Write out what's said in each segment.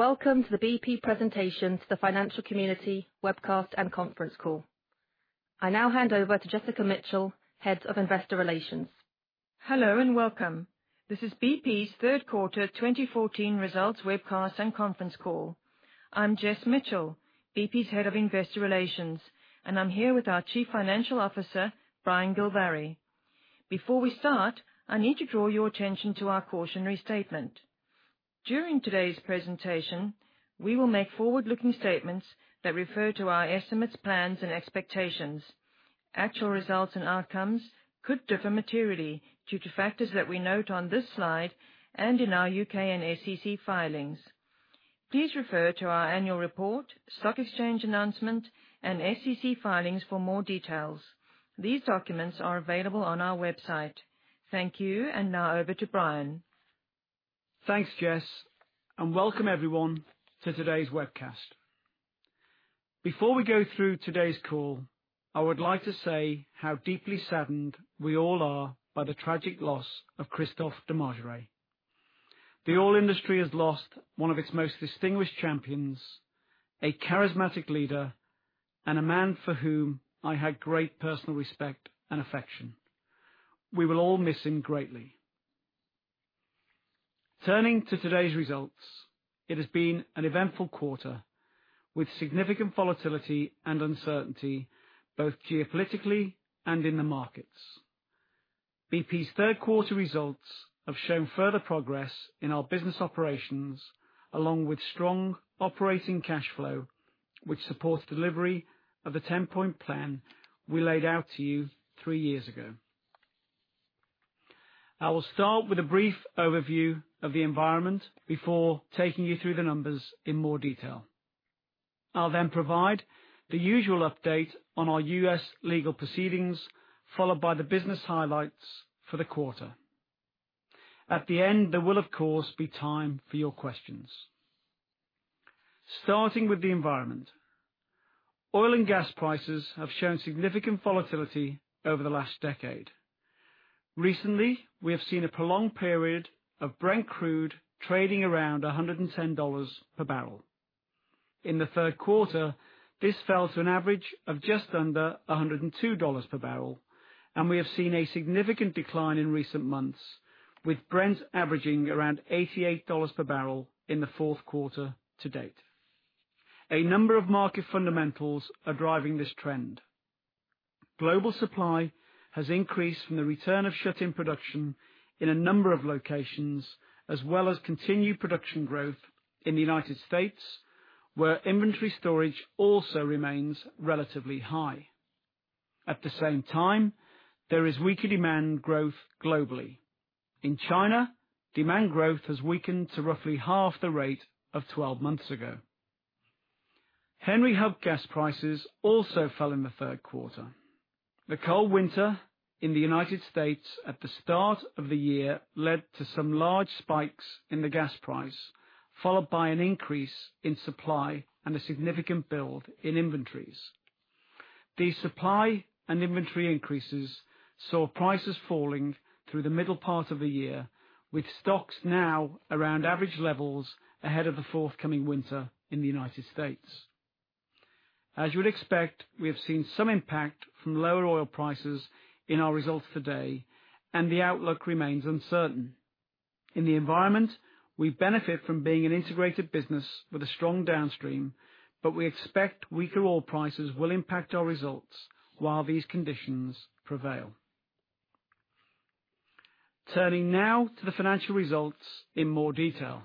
Welcome to the BP presentation to the financial community webcast and conference call. I now hand over to Jessica Mitchell, Head of Investor Relations. Hello, and welcome. This is BP's third quarter 2014 results webcast and conference call. I'm Jess Mitchell, BP's Head of Investor Relations, and I'm here with our Chief Financial Officer, Brian Gilvary. Before we start, I need to draw your attention to our cautionary statement. During today's presentation, we will make forward-looking statements that refer to our estimates, plans, and expectations. Actual results and outcomes could differ materially due to factors that we note on this slide and in our U.K. and SEC filings. Please refer to our annual report, stock exchange announcement, and SEC filings for more details. These documents are available on our website. Thank you. Now over to Brian. Thanks, Jess. Welcome everyone to today's webcast. Before we go through today's call, I would like to say how deeply saddened we all are by the tragic loss of Christophe de Margerie. The oil industry has lost one of its most distinguished champions, a charismatic leader, and a man for whom I had great personal respect and affection. We will all miss him greatly. Turning to today's results, it has been an eventful quarter, with significant volatility and uncertainty, both geopolitically and in the markets. BP's third quarter results have shown further progress in our business operations, along with strong operating cash flow, which supports delivery of a 10-point plan we laid out to you three years ago. I will start with a brief overview of the environment before taking you through the numbers in more detail. I'll then provide the usual update on our U.S. legal proceedings, followed by the business highlights for the quarter. At the end, there will, of course, be time for your questions. Starting with the environment. Oil and gas prices have shown significant volatility over the last decade. Recently, we have seen a prolonged period of Brent Crude trading around $110 per barrel. In the third quarter, this fell to an average of just under $102 per barrel, and we have seen a significant decline in recent months, with Brent averaging around $88 per barrel in the fourth quarter to date. A number of market fundamentals are driving this trend. Global supply has increased from the return of shut-in production in a number of locations, as well as continued production growth in the United States, where inventory storage also remains relatively high. At the same time, there is weaker demand growth globally. In China, demand growth has weakened to roughly half the rate of 12 months ago. Henry Hub gas prices also fell in the third quarter. The cold winter in the U.S. at the start of the year led to some large spikes in the gas price, followed by an increase in supply and a significant build in inventories. These supply and inventory increases saw prices falling through the middle part of the year, with stocks now around average levels ahead of the forthcoming winter in the U.S. As you would expect, we have seen some impact from lower oil prices in our results today, and the outlook remains uncertain. In the environment, we benefit from being an integrated business with a strong downstream, but we expect weaker oil prices will impact our results while these conditions prevail. Turning now to the financial results in more detail.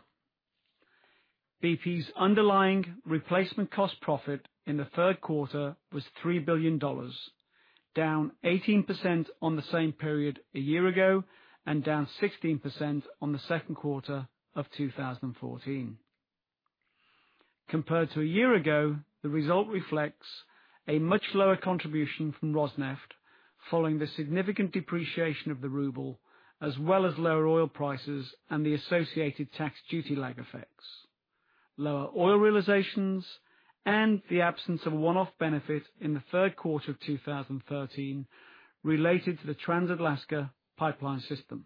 BP's underlying replacement cost profit in the third quarter was $3 billion, down 18% on the same period a year ago and down 16% on the second quarter of 2014. Compared to a year ago, the result reflects a much lower contribution from Rosneft, following the significant depreciation of the ruble, as well as lower oil prices and the associated tax duty lag effects, lower oil realizations, and the absence of one-off benefit in the third quarter of 2013 related to the Trans-Alaska Pipeline System,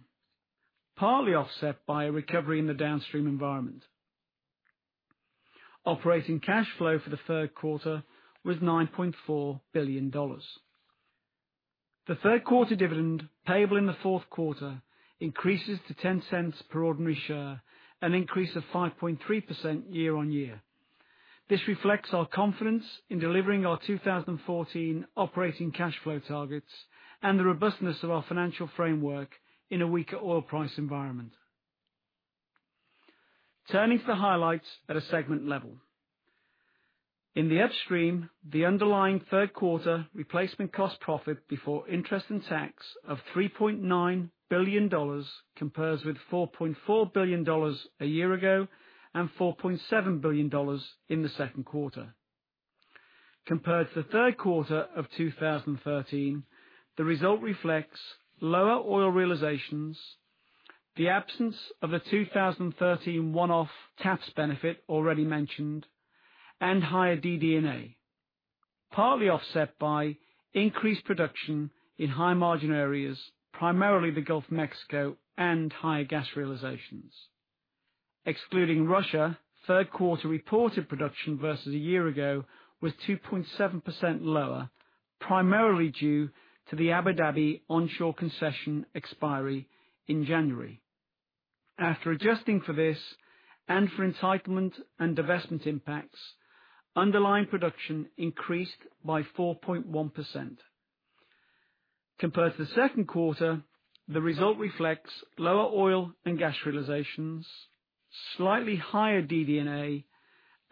partly offset by a recovery in the downstream environment. Operating cash flow for the third quarter was $9.4 billion. The third quarter dividend payable in the fourth quarter increases to $0.10 per ordinary share, an increase of 5.3% year-on-year. This reflects our confidence in delivering our 2014 operating cash flow targets and the robustness of our financial framework in a weaker oil price environment. Turning to the highlights at a segment level. In the upstream, the underlying third quarter replacement cost profit before interest and tax of $3.9 billion compares with $4.4 billion a year ago and $4.7 billion in the second quarter. Compared to the third quarter of 2013, the result reflects lower oil realizations, the absence of the 2013 one-off tax benefit already mentioned, and higher DD&A. Partly offset by increased production in high margin areas, primarily the Gulf of Mexico and higher gas realizations. Excluding Russia, third quarter reported production versus a year ago was 2.7% lower, primarily due to the Abu Dhabi onshore concession expiry in January. After adjusting for this, and for entitlement and divestment impacts, underlying production increased by 4.1%. Compared to the second quarter, the result reflects lower oil and gas realizations, slightly higher DD&A,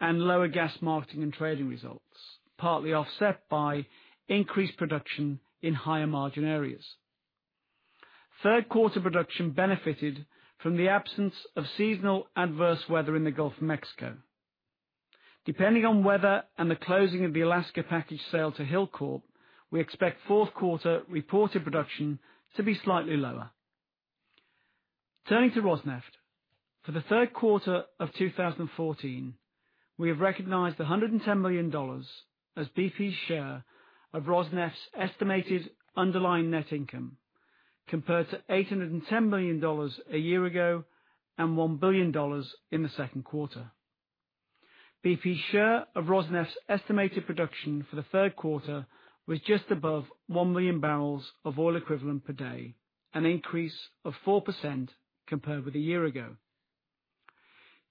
and lower gas marketing and trading results, partly offset by increased production in higher margin areas. Third quarter production benefited from the absence of seasonal adverse weather in the Gulf of Mexico. Depending on weather and the closing of the Alaska package sale to Hilcorp, we expect fourth quarter reported production to be slightly lower. Turning to Rosneft. For the third quarter of 2014, we have recognized $110 million as BP's share of Rosneft's estimated underlying net income, compared to $810 million a year ago and $1 billion in the second quarter. BP's share of Rosneft's estimated production for the third quarter was just above 1 million barrels of oil equivalent per day, an increase of 4% compared with a year ago.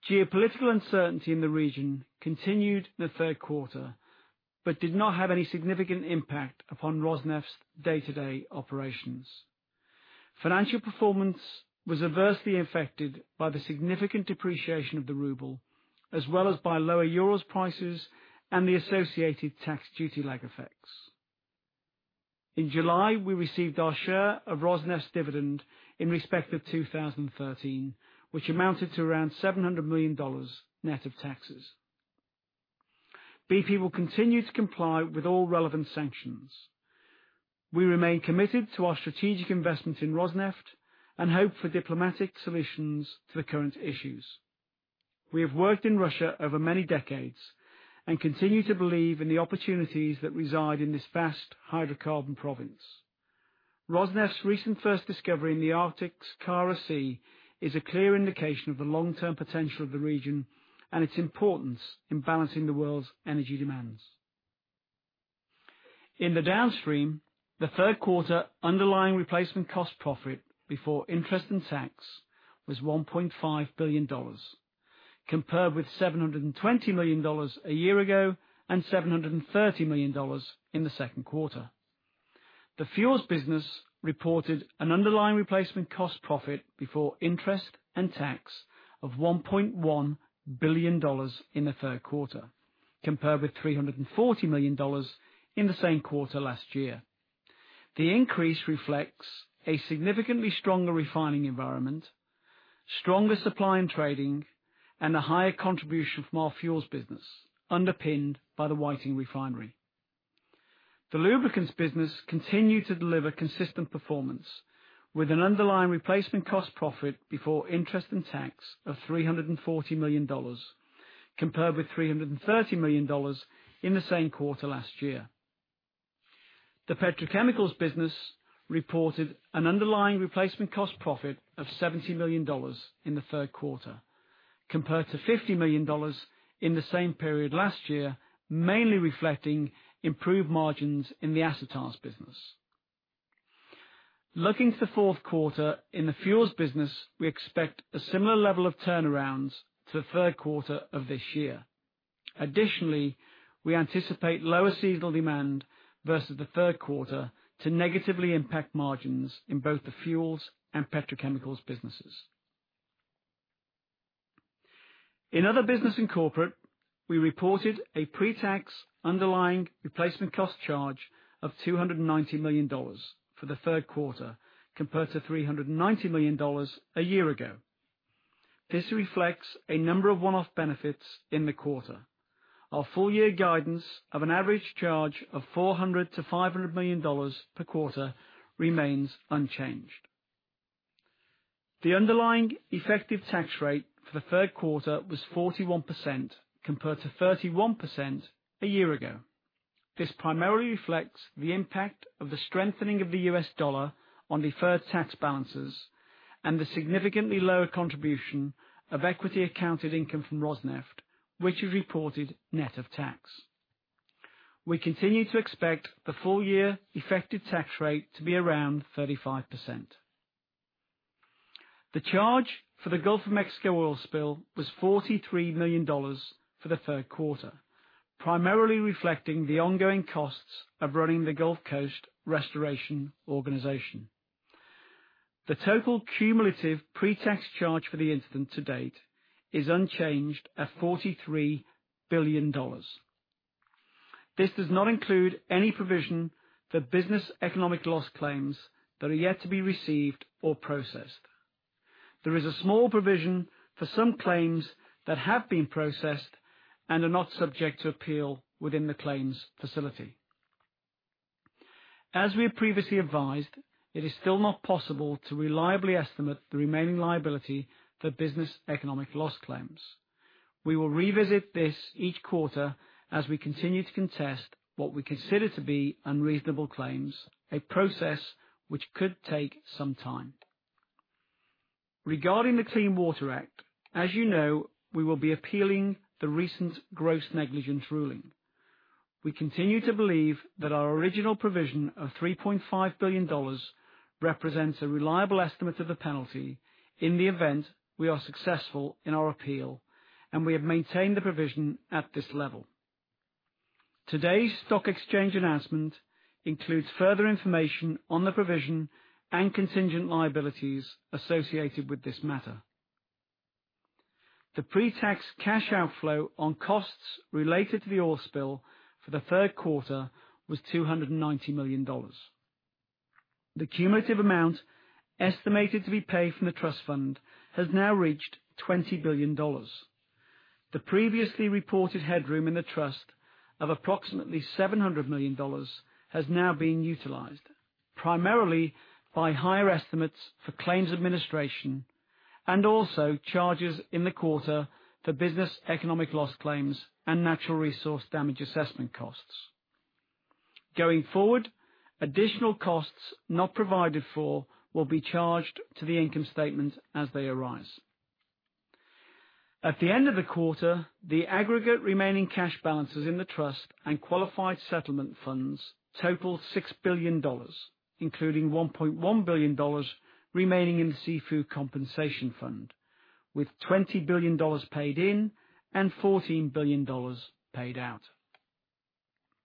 Geopolitical uncertainty in the region continued in the third quarter, but did not have any significant impact upon Rosneft's day-to-day operations. Financial performance was adversely affected by the significant depreciation of the ruble, as well as by lower Urals prices and the associated tax duty lag effects. In July, we received our share of Rosneft's dividend in respect of 2013, which amounted to around $700 million, net of taxes. BP will continue to comply with all relevant sanctions. We remain committed to our strategic investment in Rosneft and hope for diplomatic solutions to the current issues. We have worked in Russia over many decades and continue to believe in the opportunities that reside in this vast hydrocarbon province. Rosneft's recent first discovery in the Arctic's Kara Sea is a clear indication of the long-term potential of the region and its importance in balancing the world's energy demands. In the Downstream, the third quarter underlying replacement cost profit before interest and tax was $1.5 billion, compared with $720 million a year ago and $730 million in the second quarter. The fuels business reported an underlying replacement cost profit before interest and tax of $1.1 billion in the third quarter, compared with $340 million in the same quarter last year. The increase reflects a significantly stronger refining environment, stronger supply and trading, and a higher contribution from our fuels business, underpinned by the Whiting Refinery. The lubricants business continued to deliver consistent performance, with an underlying replacement cost profit before interest and tax of $340 million, compared with $330 million in the same quarter last year. The Petrochemicals business reported an underlying replacement cost profit of $70 million in the third quarter, compared to $50 million in the same period last year, mainly reflecting improved margins in the acetyls business. Looking to the fourth quarter, in the fuels business, we expect a similar level of turnarounds to the third quarter of this year. Additionally, we anticipate lower seasonal demand versus the third quarter to negatively impact margins in both the fuels and Petrochemicals businesses. In other business and corporate, we reported a pretax underlying replacement cost charge of $290 million for the third quarter, compared to $390 million a year ago. This reflects a number of one-off benefits in the quarter. Our full year guidance of an average charge of $400 million-$500 million per quarter remains unchanged. The underlying effective tax rate for the third quarter was 41%, compared to 31% a year ago. This primarily reflects the impact of the strengthening of the U.S. dollar on deferred tax balances and the significantly lower contribution of equity accounted income from Rosneft, which is reported net of tax. We continue to expect the full year effective tax rate to be around 35%. The charge for the Gulf of Mexico oil spill was $43 million for the third quarter, primarily reflecting the ongoing costs of running the Gulf Coast Restoration Organization. The total cumulative pretax charge for the incident to date is unchanged at $43 billion. This does not include any provision for business economic loss claims that are yet to be received or processed. There is a small provision for some claims that have been processed and are not subject to appeal within the claims facility. As we have previously advised, it is still not possible to reliably estimate the remaining liability for business economic loss claims. We will revisit this each quarter as we continue to contest what we consider to be unreasonable claims, a process which could take some time. Regarding the Clean Water Act, as you know, we will be appealing the recent gross negligence ruling. We continue to believe that our original provision of $3.5 billion represents a reliable estimate of the penalty in the event we are successful in our appeal, and we have maintained the provision at this level. Today's stock exchange announcement includes further information on the provision and contingent liabilities associated with this matter. The pre-tax cash outflow on costs related to the oil spill for the third quarter was $290 million. The cumulative amount estimated to be paid from the trust fund has now reached $20 billion. The previously reported headroom in the trust of approximately $700 million has now been utilized, primarily by higher estimates for claims administration and also charges in the quarter for business economic loss claims and natural resource damage assessment costs. Going forward, additional costs not provided for will be charged to the income statement as they arise. At the end of the quarter, the aggregate remaining cash balances in the trust and qualified settlement funds total $6 billion, including $1.1 billion remaining in the Seafood Compensation Fund, with $20 billion paid in and $14 billion paid out.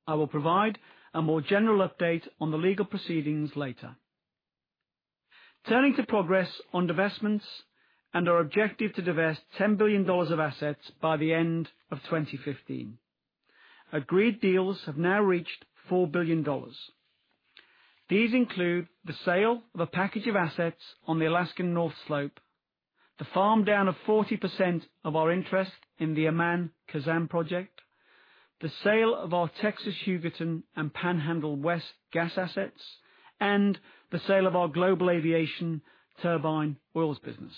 I will provide a more general update on the legal proceedings later. Turning to progress on divestments and our objective to divest $10 billion of assets by the end of 2015. Agreed deals have now reached $4 billion. These include the sale of a package of assets on the Alaskan North Slope, the farm down of 40% of our interest in the Aman Khazzan project, the sale of our Texas Hugoton and Panhandle West gas assets, and the sale of our global aviation turbine oils business.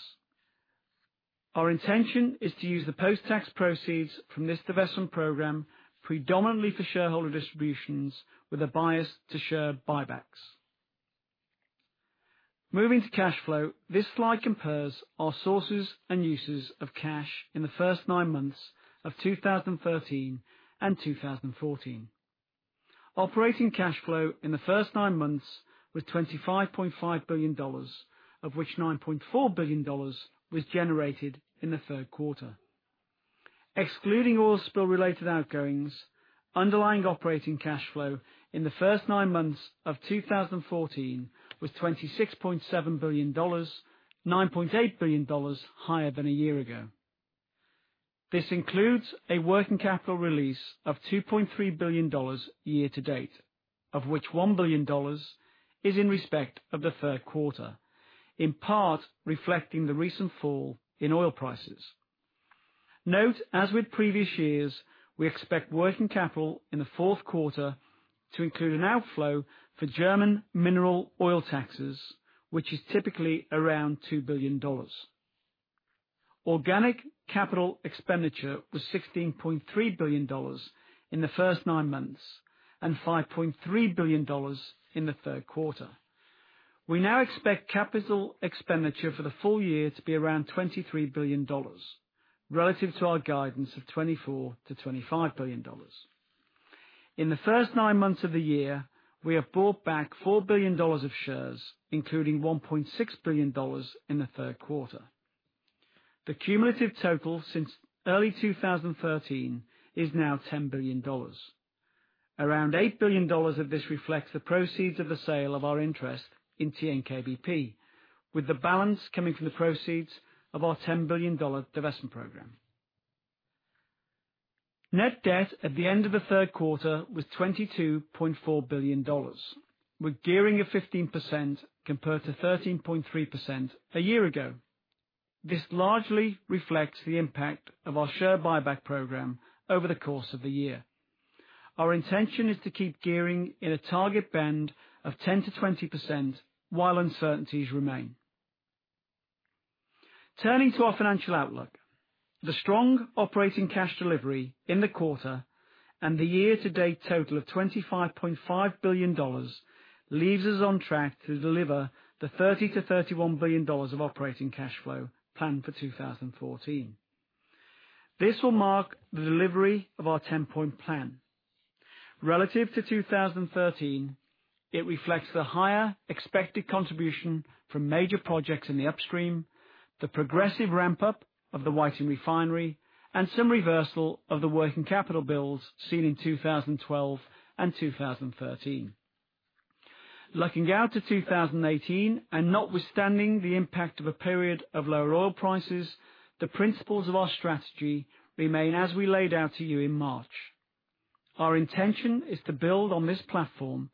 Our intention is to use the post-tax proceeds from this divestment program predominantly for shareholder distributions with a bias to share buybacks. Moving to cash flow, this slide compares our sources and uses of cash in the first nine months of 2013 and 2014. Operating cash flow in the first nine months was $25.5 billion, of which $9.4 billion was generated in the third quarter. Excluding oil spill related outgoings, underlying operating cash flow in the first nine months of 2014 was $26.7 billion, $9.8 billion higher than a year ago. This includes a working capital release of $2.3 billion year to date, of which $1 billion is in respect of the third quarter, in part reflecting the recent fall in oil prices. Note, as with previous years, we expect working capital in the fourth quarter to include an outflow for German mineral oil taxes, which is typically around $2 billion. Organic capital expenditure was $16.3 billion in the first nine months and $5.3 billion in the third quarter. We now expect capital expenditure for the full year to be around $23 billion relative to our guidance of $24 billion to $25 billion. In the first nine months of the year, we have bought back $4 billion of shares, including $1.6 billion in the third quarter. The cumulative total since early 2013 is now $10 billion. Around $8 billion of this reflects the proceeds of the sale of our interest in TNK-BP, with the balance coming from the proceeds of our $10 billion divestment program. Net debt at the end of the third quarter was $22.4 billion, with gearing of 15% compared to 13.3% a year ago. This largely reflects the impact of our share buyback program over the course of the year. Our intention is to keep gearing in a target band of 10%-20% while uncertainties remain. Turning to our financial outlook, the strong operating cash delivery in the quarter and the year-to-date total of $25.5 billion leaves us on track to deliver the $30 billion-$31 billion of operating cash flow planned for 2014. This will mark the delivery of our 10-Point Plan. Relative to 2013, it reflects the higher expected contribution from major projects in the Upstream, the progressive ramp-up of the Whiting Refinery, and some reversal of the working capital bills seen in 2012 and 2013. Looking out to 2018 and notwithstanding the impact of a period of lower oil prices, the principles of our strategy remain as we laid out to you in March. Our intention is to build on this platform,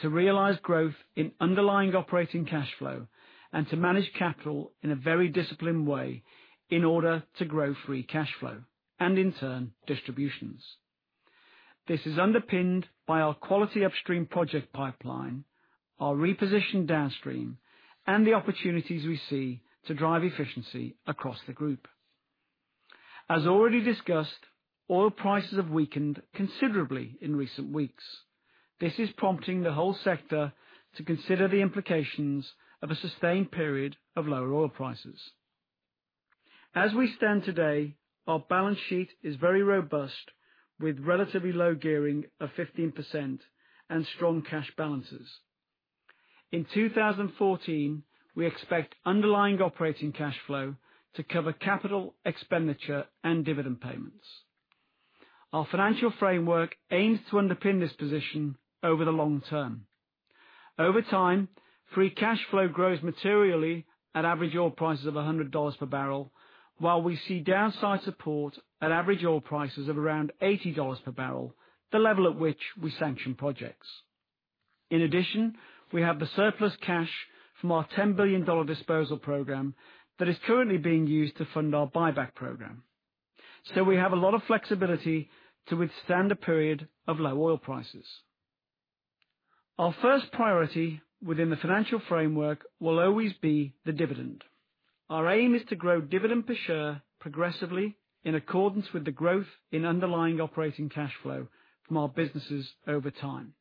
to realize growth in underlying operating cash flow, and to manage capital in a very disciplined way in order to grow free cash flow and in turn, distribution. This is underpinned by our quality Upstream project pipeline, our repositioned Downstream, and the opportunities we see to drive efficiency across the group. As already discussed, oil prices have weakened considerably in recent weeks. This is prompting the whole sector to consider the implications of a sustained period of lower oil prices. As we stand today, our balance sheet is very robust, with relatively low gearing of 15% and strong cash balances. In 2014, we expect underlying operating cash flow to cover capital expenditure and dividend payments. Our financial framework aims to underpin this position over the long term. Over time, free cash flow grows materially at average oil prices of $100 per barrel, while we see downside support at average oil prices of around $80 per barrel, the level at which we sanction projects. In addition, we have the surplus cash from our $10 billion disposal program that is currently being used to fund our buyback program. We have a lot of flexibility to withstand a period of low oil prices. Our first priority within the financial framework will always be the dividend. Our aim is to grow dividend per share progressively, in accordance with the growth in underlying operating cash flow from our businesses over time.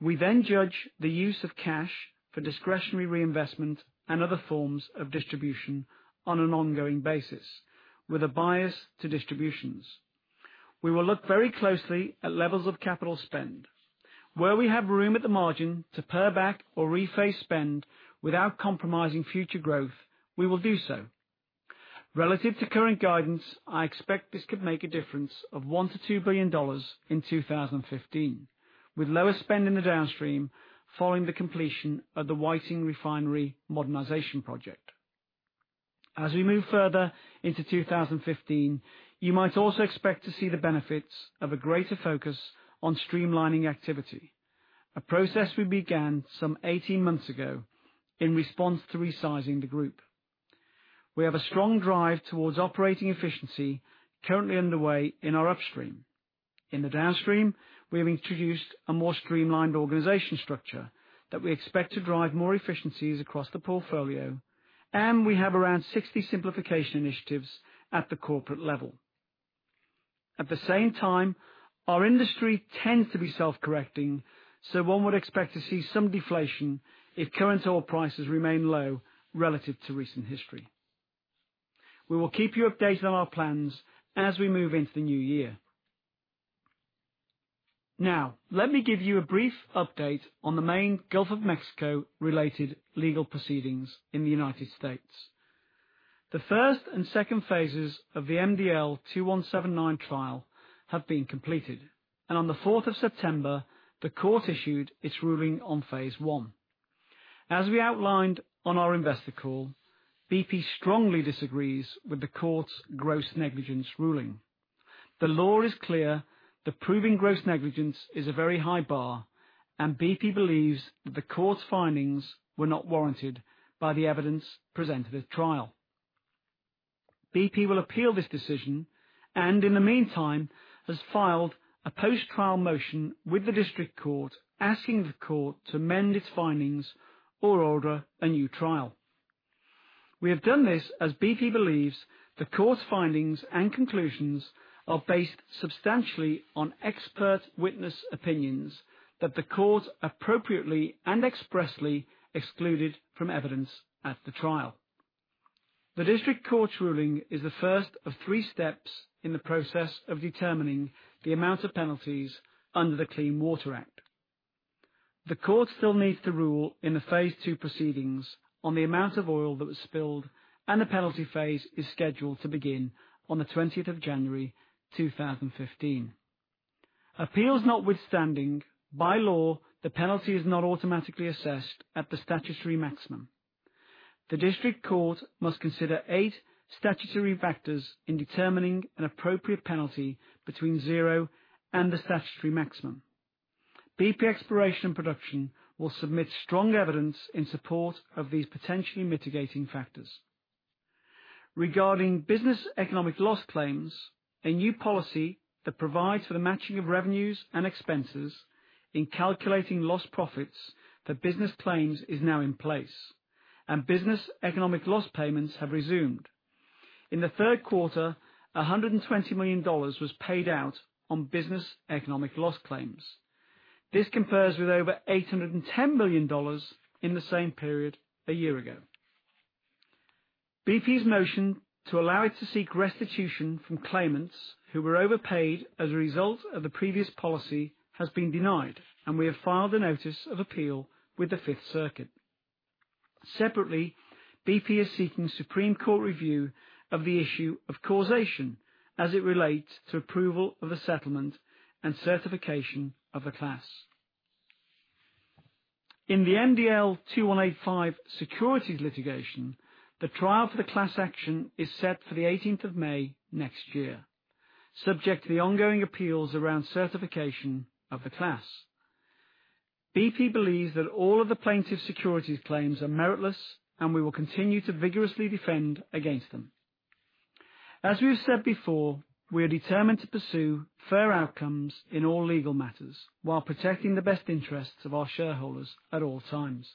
We judge the use of cash for discretionary reinvestment and other forms of distribution on an ongoing basis, with a bias to distributions. We will look very closely at levels of capital spend. Where we have room at the margin to pare back or rephase spend without compromising future growth, we will do so. Relative to current guidance, I expect this could make a difference of $1 billion-$2 billion in 2015, with lower spend in the Downstream following the completion of the Whiting Refinery modernization project. As we move further into 2015, you might also expect to see the benefits of a greater focus on streamlining activity, a process we began some 18 months ago in response to resizing the group. We have a strong drive towards operating efficiency currently underway in our Upstream. In the Downstream, we have introduced a more streamlined organization structure that we expect to drive more efficiencies across the portfolio, and we have around 60 simplification initiatives at the corporate level. At the same time, our industry tends to be self-correcting, so one would expect to see some deflation if current oil prices remain low relative to recent history. We will keep you updated on our plans as we move into the new year. Now, let me give you a brief update on the main Gulf of Mexico-related legal proceedings in the United States. The first and second phases of the MDL 2179 trial have been completed. On the 4th of September, the court issued its ruling on phase 1. As we outlined on our investor call, BP strongly disagrees with the court's gross negligence ruling. The law is clear that proving gross negligence is a very high bar. BP believes that the court's findings were not warranted by the evidence presented at trial. BP will appeal this decision. In the meantime, has filed a post-trial motion with the district court asking the court to amend its findings or order a new trial. We have done this as BP believes the court's findings and conclusions are based substantially on expert witness opinions that the court appropriately and expressly excluded from evidence at the trial. The district court's ruling is the first of three steps in the process of determining the amount of penalties under the Clean Water Act. The court still needs to rule in the phase 2 proceedings on the amount of oil that was spilled. The penalty phase is scheduled to begin on the 20th of January, 2015. Appeals notwithstanding, by law, the penalty is not automatically assessed at the statutory maximum. The district court must consider eight statutory factors in determining an appropriate penalty between zero and the statutory maximum. BP Exploration Production will submit strong evidence in support of these potentially mitigating factors. Regarding business economic loss claims, a new policy that provides for the matching of revenues and expenses in calculating lost profits for business claims is now in place. Business economic loss payments have resumed. In the third quarter, $120 million was paid out on business economic loss claims. This compares with over $810 million in the same period a year ago. BP's motion to allow it to seek restitution from claimants who were overpaid as a result of the previous policy has been denied. We have filed a notice of appeal with the Fifth Circuit. Separately, BP is seeking Supreme Court review of the issue of causation as it relates to approval of a settlement and certification of a class. In the MDL 2185 securities litigation, the trial for the class action is set for the 18th of May next year, subject to the ongoing appeals around certification of the class. BP believes that all of the plaintiffs' securities claims are meritless. We will continue to vigorously defend against them. As we have said before, we are determined to pursue fair outcomes in all legal matters while protecting the best interests of our shareholders at all times.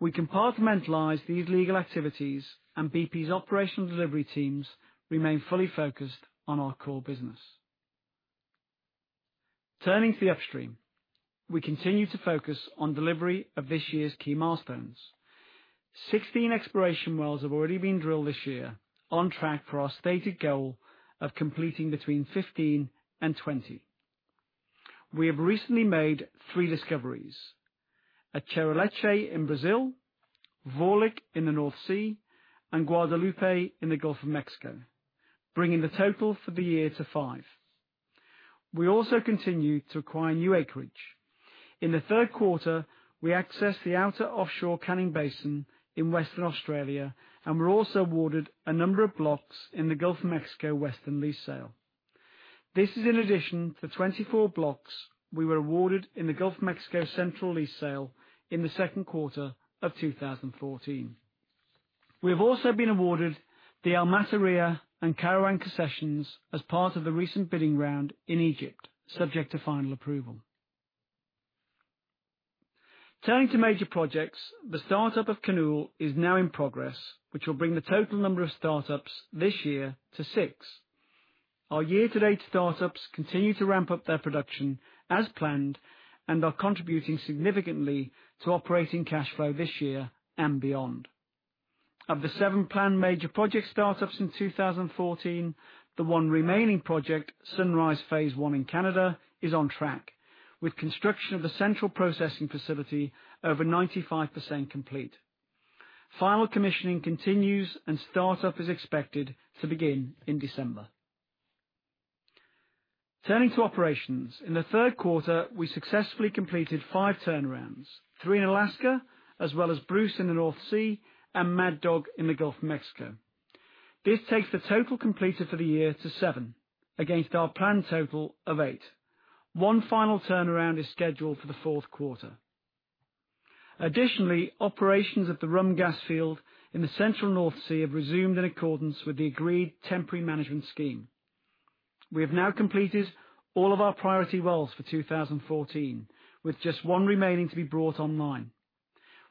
We compartmentalize these legal activities, BP's operational delivery teams remain fully focused on our core business. Turning to the upstream, we continue to focus on delivery of this year's key milestones. 16 exploration wells have already been drilled this year, on track for our stated goal of completing between 15 and 20. We have recently made three discoveries: at Cheipe in Brazil, Vorlich in the North Sea, and Guadalupe in the Gulf of Mexico, bringing the total for the year to five. We also continue to acquire new acreage. In the third quarter, we accessed the outer offshore Canning Basin in Western Australia, and we're also awarded a number of blocks in the Gulf of Mexico Western lease sale. This is in addition to the 24 blocks we were awarded in the Gulf of Mexico Central lease sale in the second quarter of 2014. We have also been awarded the El Masriya and Karawan concessions as part of the recent bidding round in Egypt, subject to final approval. Turning to major projects, the start-up of Canoe is now in progress, which will bring the total number of start-ups this year to six. Our year-to-date start-ups continue to ramp up their production as planned and are contributing significantly to operating cash flow this year and beyond. Of the seven planned major project start-ups in 2014, the one remaining project, Sunrise Phase 1 in Canada, is on track, with construction of the central processing facility over 95% complete. Final commissioning continues, and start-up is expected to begin in December. Turning to operations, in the third quarter, we successfully completed five turnarounds, three in Alaska, as well as Bruce in the North Sea and Mad Dog in the Gulf of Mexico. This takes the total completed for the year to seven against our planned total of eight. One final turnaround is scheduled for the fourth quarter. Additionally, operations at the Rhum gas field in the central North Sea have resumed in accordance with the agreed temporary management scheme. We have now completed all of our priority wells for 2014, with just one remaining to be brought online.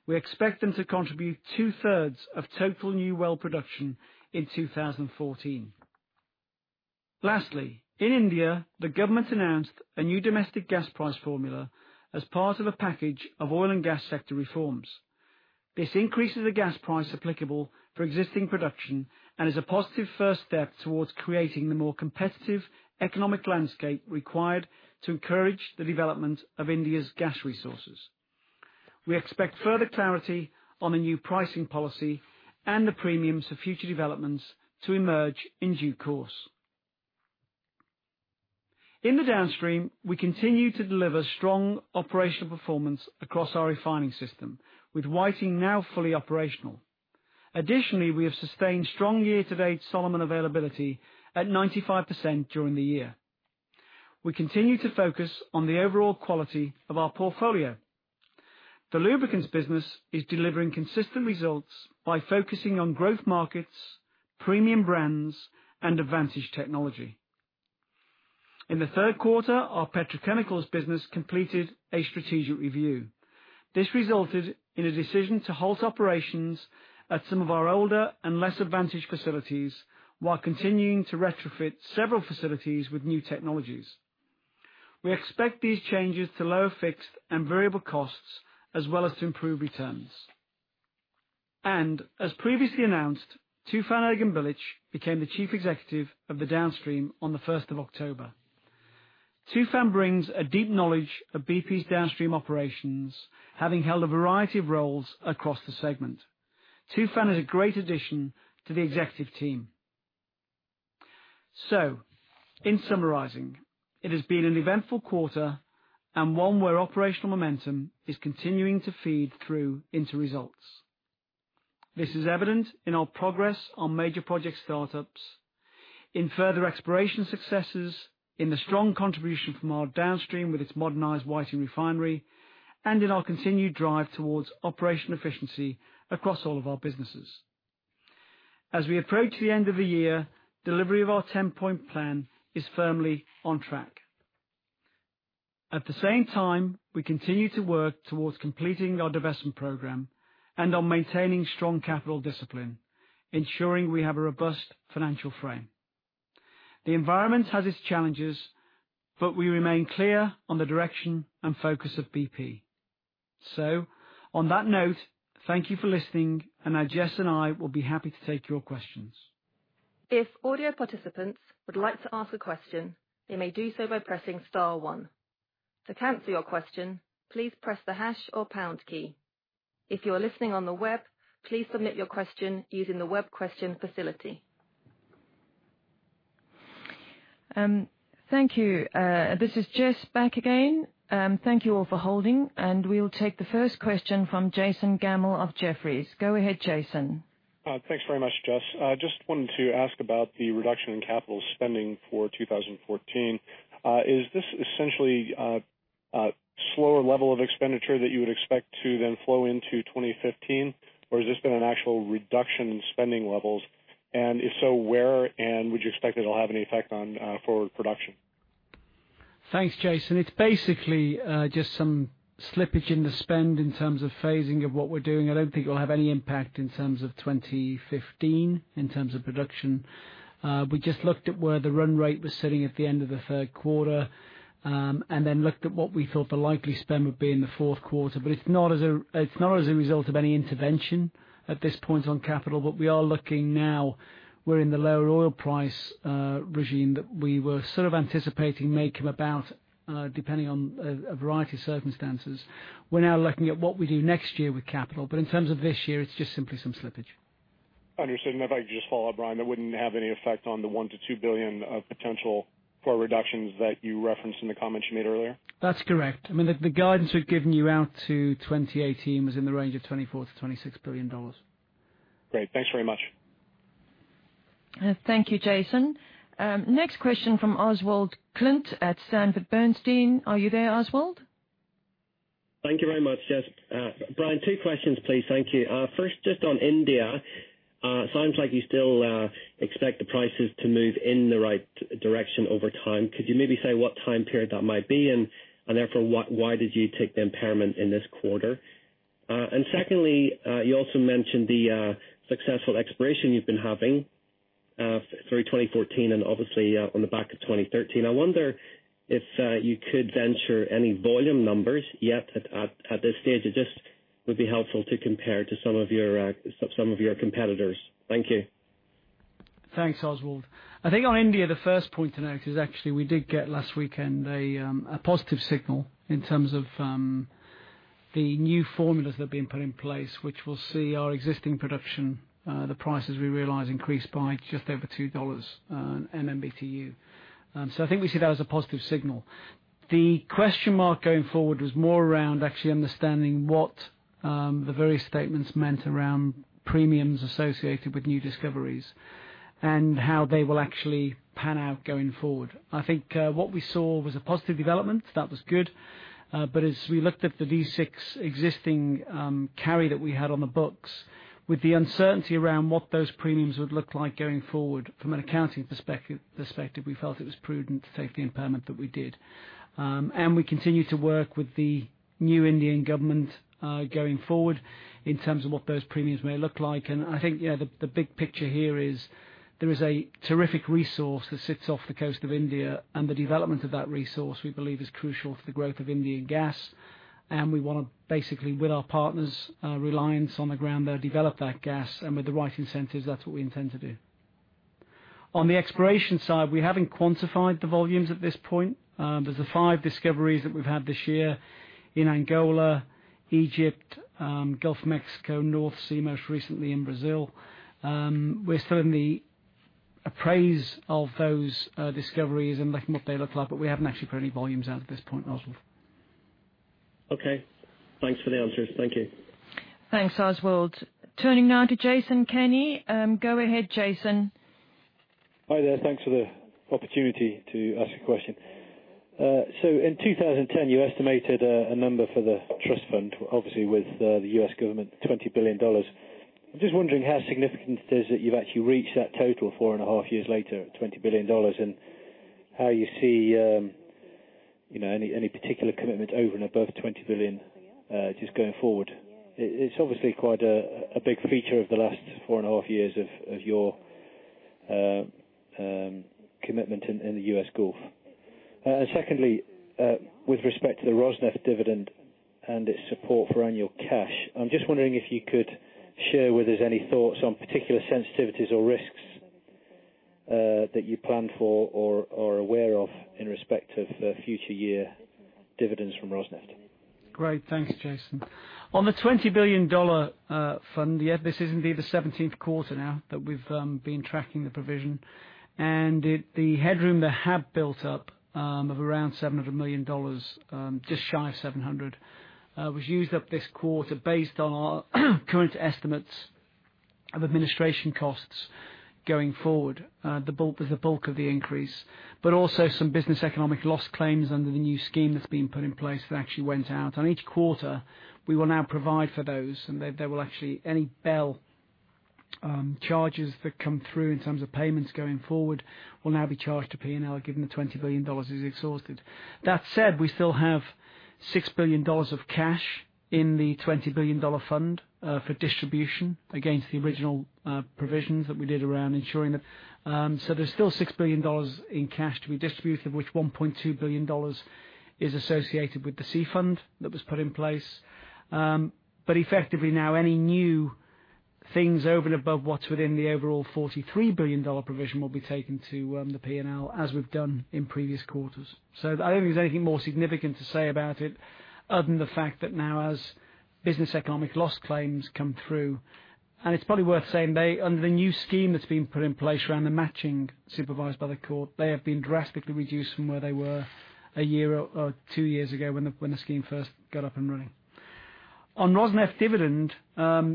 We expect them to contribute two-thirds of total new well production in 2014. Lastly, in India, the government announced a new domestic gas price formula as part of a package of oil and gas sector reforms. This increases the gas price applicable for existing production and is a positive first step towards creating the more competitive economic landscape required to encourage the development of India's gas resources. We expect further clarity on the new pricing policy and the premiums for future developments to emerge in due course. In the downstream, we continue to deliver strong operational performance across our refining system, with Whiting now fully operational. Additionally, we have sustained strong year-to-date Solomon availability at 95% during the year. We continue to focus on the overall quality of our portfolio. The lubricants business is delivering consistent results by focusing on growth markets, premium brands, and advantage technology. In the third quarter, our petrochemicals business completed a strategic review. This resulted in a decision to halt operations at some of our older and less advantaged facilities while continuing to retrofit several facilities with new technologies. We expect these changes to lower fixed and variable costs as well as to improve returns. As previously announced, Tufan Erginbilgic became the Chief Executive of the Downstream on the 1st of October. Tufan brings a deep knowledge of BP's Downstream operations, having held a variety of roles across the segment. Tufan is a great addition to the executive team. In summarizing, it has been an eventful quarter and one where operational momentum is continuing to feed through into results. This is evident in our progress on major project start-ups, in further exploration successes, in the strong contribution from our Downstream with its modernized Whiting Refinery, and in our continued drive towards operational efficiency across all of our businesses. As we approach the end of the year, delivery of our 10-point plan is firmly on track. At the same time, we continue to work towards completing our divestment program and on maintaining strong capital discipline, ensuring we have a robust financial frame. The environment has its challenges, but we remain clear on the direction and focus of BP. On that note, thank you for listening, and now Jess and I will be happy to take your questions. If audio participants would like to ask a question, they may do so by pressing star one. To cancel your question, please press the hash or pound key. If you are listening on the web, please submit your question using the web question facility. Thank you. This is Jess back again. Thank you all for holding, and we will take the first question from Jason Gammel of Jefferies. Go ahead, Jason. Thanks very much, Jess. Just wanted to ask about the reduction in capital spending for 2014. Is this essentially a slower level of expenditure that you would expect to then flow into 2015, or has this been an actual reduction in spending levels? If so, where, and would you expect it'll have any effect on forward production? Thanks, Jason. It's basically just some slippage in the spend in terms of phasing of what we're doing. I don't think it'll have any impact in terms of 2015, in terms of production. We just looked at where the run rate was sitting at the end of the third quarter, then looked at what we thought the likely spend would be in the fourth quarter. It's not as a result of any intervention at this point on capital, but we are looking now, we're in the lower oil price regime that we were sort of anticipating may come about, depending on a variety of circumstances. We're now looking at what we do next year with capital. In terms of this year, it's just simply some slippage. Understood. If I could just follow up, Brian, that wouldn't have any effect on the $1 billion to $2 billion of potential forward reductions that you referenced in the comments you made earlier? That's correct. I mean, the guidance we've given you out to 2018 was in the range of $24 billion to $26 billion. Great. Thanks very much. Thank you, Jason. Next question from Oswald Clint at Sanford Bernstein. Are you there, Oswald? Thank you very much. Jess. Brian, two questions, please. Thank you. First, just on India. Sounds like you still expect the prices to move in the right direction over time. Could you maybe say what time period that might be? Therefore, why did you take the impairment in this quarter? Secondly, you also mentioned the successful exploration you've been having, through 2014 and obviously on the back of 2013. I wonder if you could venture any volume numbers yet at this stage. It just would be helpful to compare to some of your competitors. Thank you. Thanks, Oswald. I think on India, the first point to note is actually we did get last weekend a positive signal in terms of the new formulas that have been put in place, which will see our existing production, the prices we realize increased by just over $2 MMBtu. I think we see that as a positive signal. The question mark going forward was more around actually understanding what the various statements meant around premiums associated with new discoveries and how they will actually pan out going forward. I think what we saw was a positive development that was good, but as we looked at the D6 existing carry that we had on the books, with the uncertainty around what those premiums would look like going forward from an accounting perspective, we felt it was prudent to take the impairment that we did. We continue to work with the new Indian government, going forward in terms of what those premiums may look like. I think the big picture here is there is a terrific resource that sits off the coast of India, and the development of that resource, we believe, is crucial for the growth of Indian gas. We want to basically, with our partners, Reliance on the ground there, develop that gas. With the right incentives, that's what we intend to do. On the exploration side, we haven't quantified the volumes at this point. There's the five discoveries that we've had this year in Angola, Egypt, GoM, North Sea, most recently in Brazil. We're still in the appraisal of those discoveries and looking what they look like, but we haven't actually put any volumes out at this point, Oswald. Okay. Thanks for the answers. Thank you. Thanks, Oswald. Turning now to Jason Kenney. Go ahead, Jason. Hi there. Thanks for the opportunity to ask a question. In 2010, you estimated a number for the trust fund, obviously with the U.S. government, $20 billion. I'm just wondering how significant it is that you've actually reached that total four and a half years later, at $20 billion, and how you see any particular commitment over and above $20 billion just going forward. It's obviously quite a big feature of the last four and a half years of your commitment in the U.S. Gulf. Secondly, with respect to the Rosneft dividend and its support for annual cash, I'm just wondering if you could share with us any thoughts on particular sensitivities or risks that you plan for or are aware of in respect of future year dividends from Rosneft. Great. Thanks, Jason. The $20 billion fund, yeah, this is indeed the 17th quarter now that we've been tracking the provision. The headroom that had built up of around $700 million, just shy of $700, was used up this quarter based on our current estimates of administration costs going forward. There's a bulk of the increase, but also some business economic loss claims under the new scheme that's been put in place that actually went out. Each quarter, we will now provide for those, and there will actually any BEL charges that come through in terms of payments going forward will now be charged to P&L, given the $20 billion is exhausted. That said, we still have $6 billion of cash in the $20 billion fund for distribution against the original provisions that we did around ensuring that. There's still $6 billion in cash to be distributed, which $1.2 billion is associated with the C Fund that was put in place. Effectively now, any new things over and above what's within the overall $43 billion provision will be taken to the P&L as we've done in previous quarters. I don't think there's anything more significant to say about it other than the fact that now as business economic loss claims come through, and it's probably worth saying they, under the new scheme that's been put in place around the matching supervised by the court, they have been drastically reduced from where they were a year or 2 years ago when the scheme first got up and running. Rosneft dividend,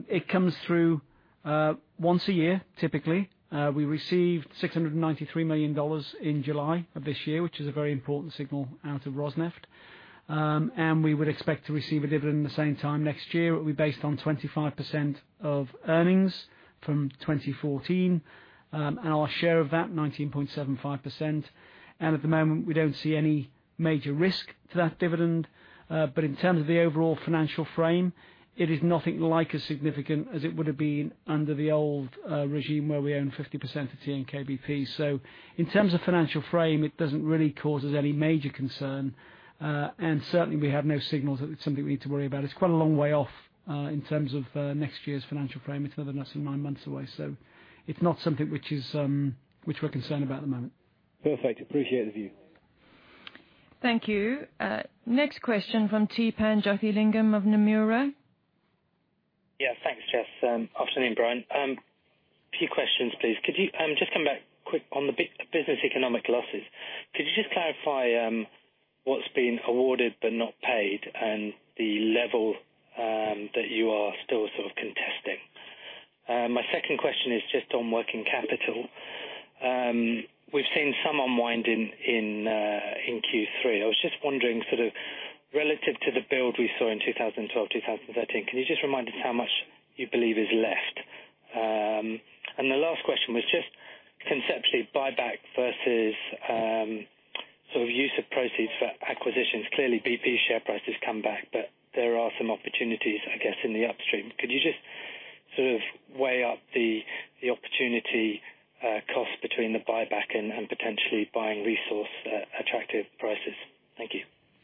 it comes through once a year, typically. We received $693 million in July of this year, which is a very important signal out of Rosneft. We would expect to receive a dividend the same time next year. It will be based on 25% of earnings from 2014, and our share of that, 19.75%. At the moment, we don't see any major risk to that dividend. In terms of the overall financial frame, it is nothing like as significant as it would have been under the old regime where we own 50% of TNK-BP. In terms of financial frame, it doesn't really cause us any major concern. Certainly, we have no signals that it's something we need to worry about. It's quite a long way off, in terms of next year's financial frame. It's another 9 months away. It's not something which we're concerned about at the moment. Perfect. Appreciate the view. Thank you. Next question from Theepan Jothilingam of Nomura. Yeah, thanks, Jessica. Afternoon, Brian. A few questions, please. Could you just come back quick on the business economic losses. Could you just clarify what's been awarded but not paid and the level that you are still sort of contesting? My second question is just on working capital. We've seen some unwind in Q3. I was just wondering sort of relative to the build we saw in 2012, 2013, can you just remind us how much you believe is left? The last question was just conceptually, buyback versus use of proceeds for acquisitions. Clearly, BP share price has come back, but there are some opportunities, I guess, in the upstream. Could you just sort of weigh up the opportunity cost between the buyback and potentially buying resource at attractive prices? Thank you.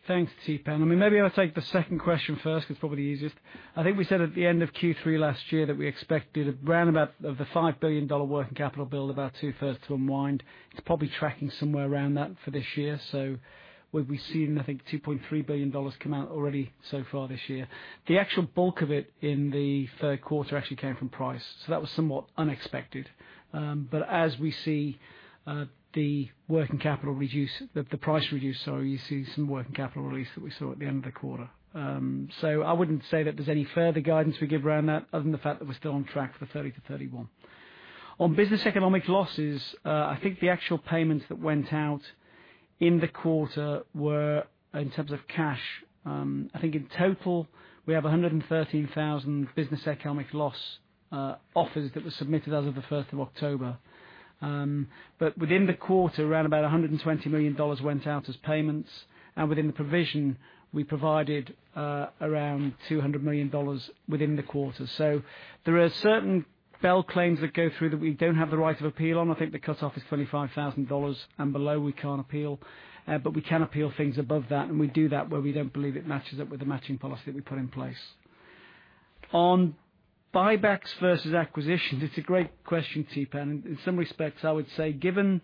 Thanks, Theepan. Maybe I'll take the second question first. It's probably the easiest. I think we said at the end of Q3 last year that we expected around about of the $5 billion working capital build, about two-thirds to unwind. It's probably tracking somewhere around that for this year. We've seen, I think, $2.3 billion come out already so far this year. The actual bulk of it in the third quarter actually came from price. That was somewhat unexpected. As we see the price reduce, you see some working capital release that we saw at the end of the quarter. I wouldn't say that there's any further guidance we give around that, other than the fact that we're still on track for the 30 to 31. On business economic losses, I think the actual payments that went out in the quarter were, in terms of cash, I think in total, we have 113,000 business economic loss offers that were submitted as of the 1st of October. Within the quarter, around about $120 million went out as payments. Within the provision, we provided around $200 million within the quarter. There are certain BEL claims that go through that we don't have the right of appeal on. I think the cutoff is $25,000, and below we can't appeal. We can appeal things above that, and we do that where we don't believe it matches up with the matching policy that we put in place. On buybacks versus acquisitions, it's a great question, Theepan. In some respects, I would say, given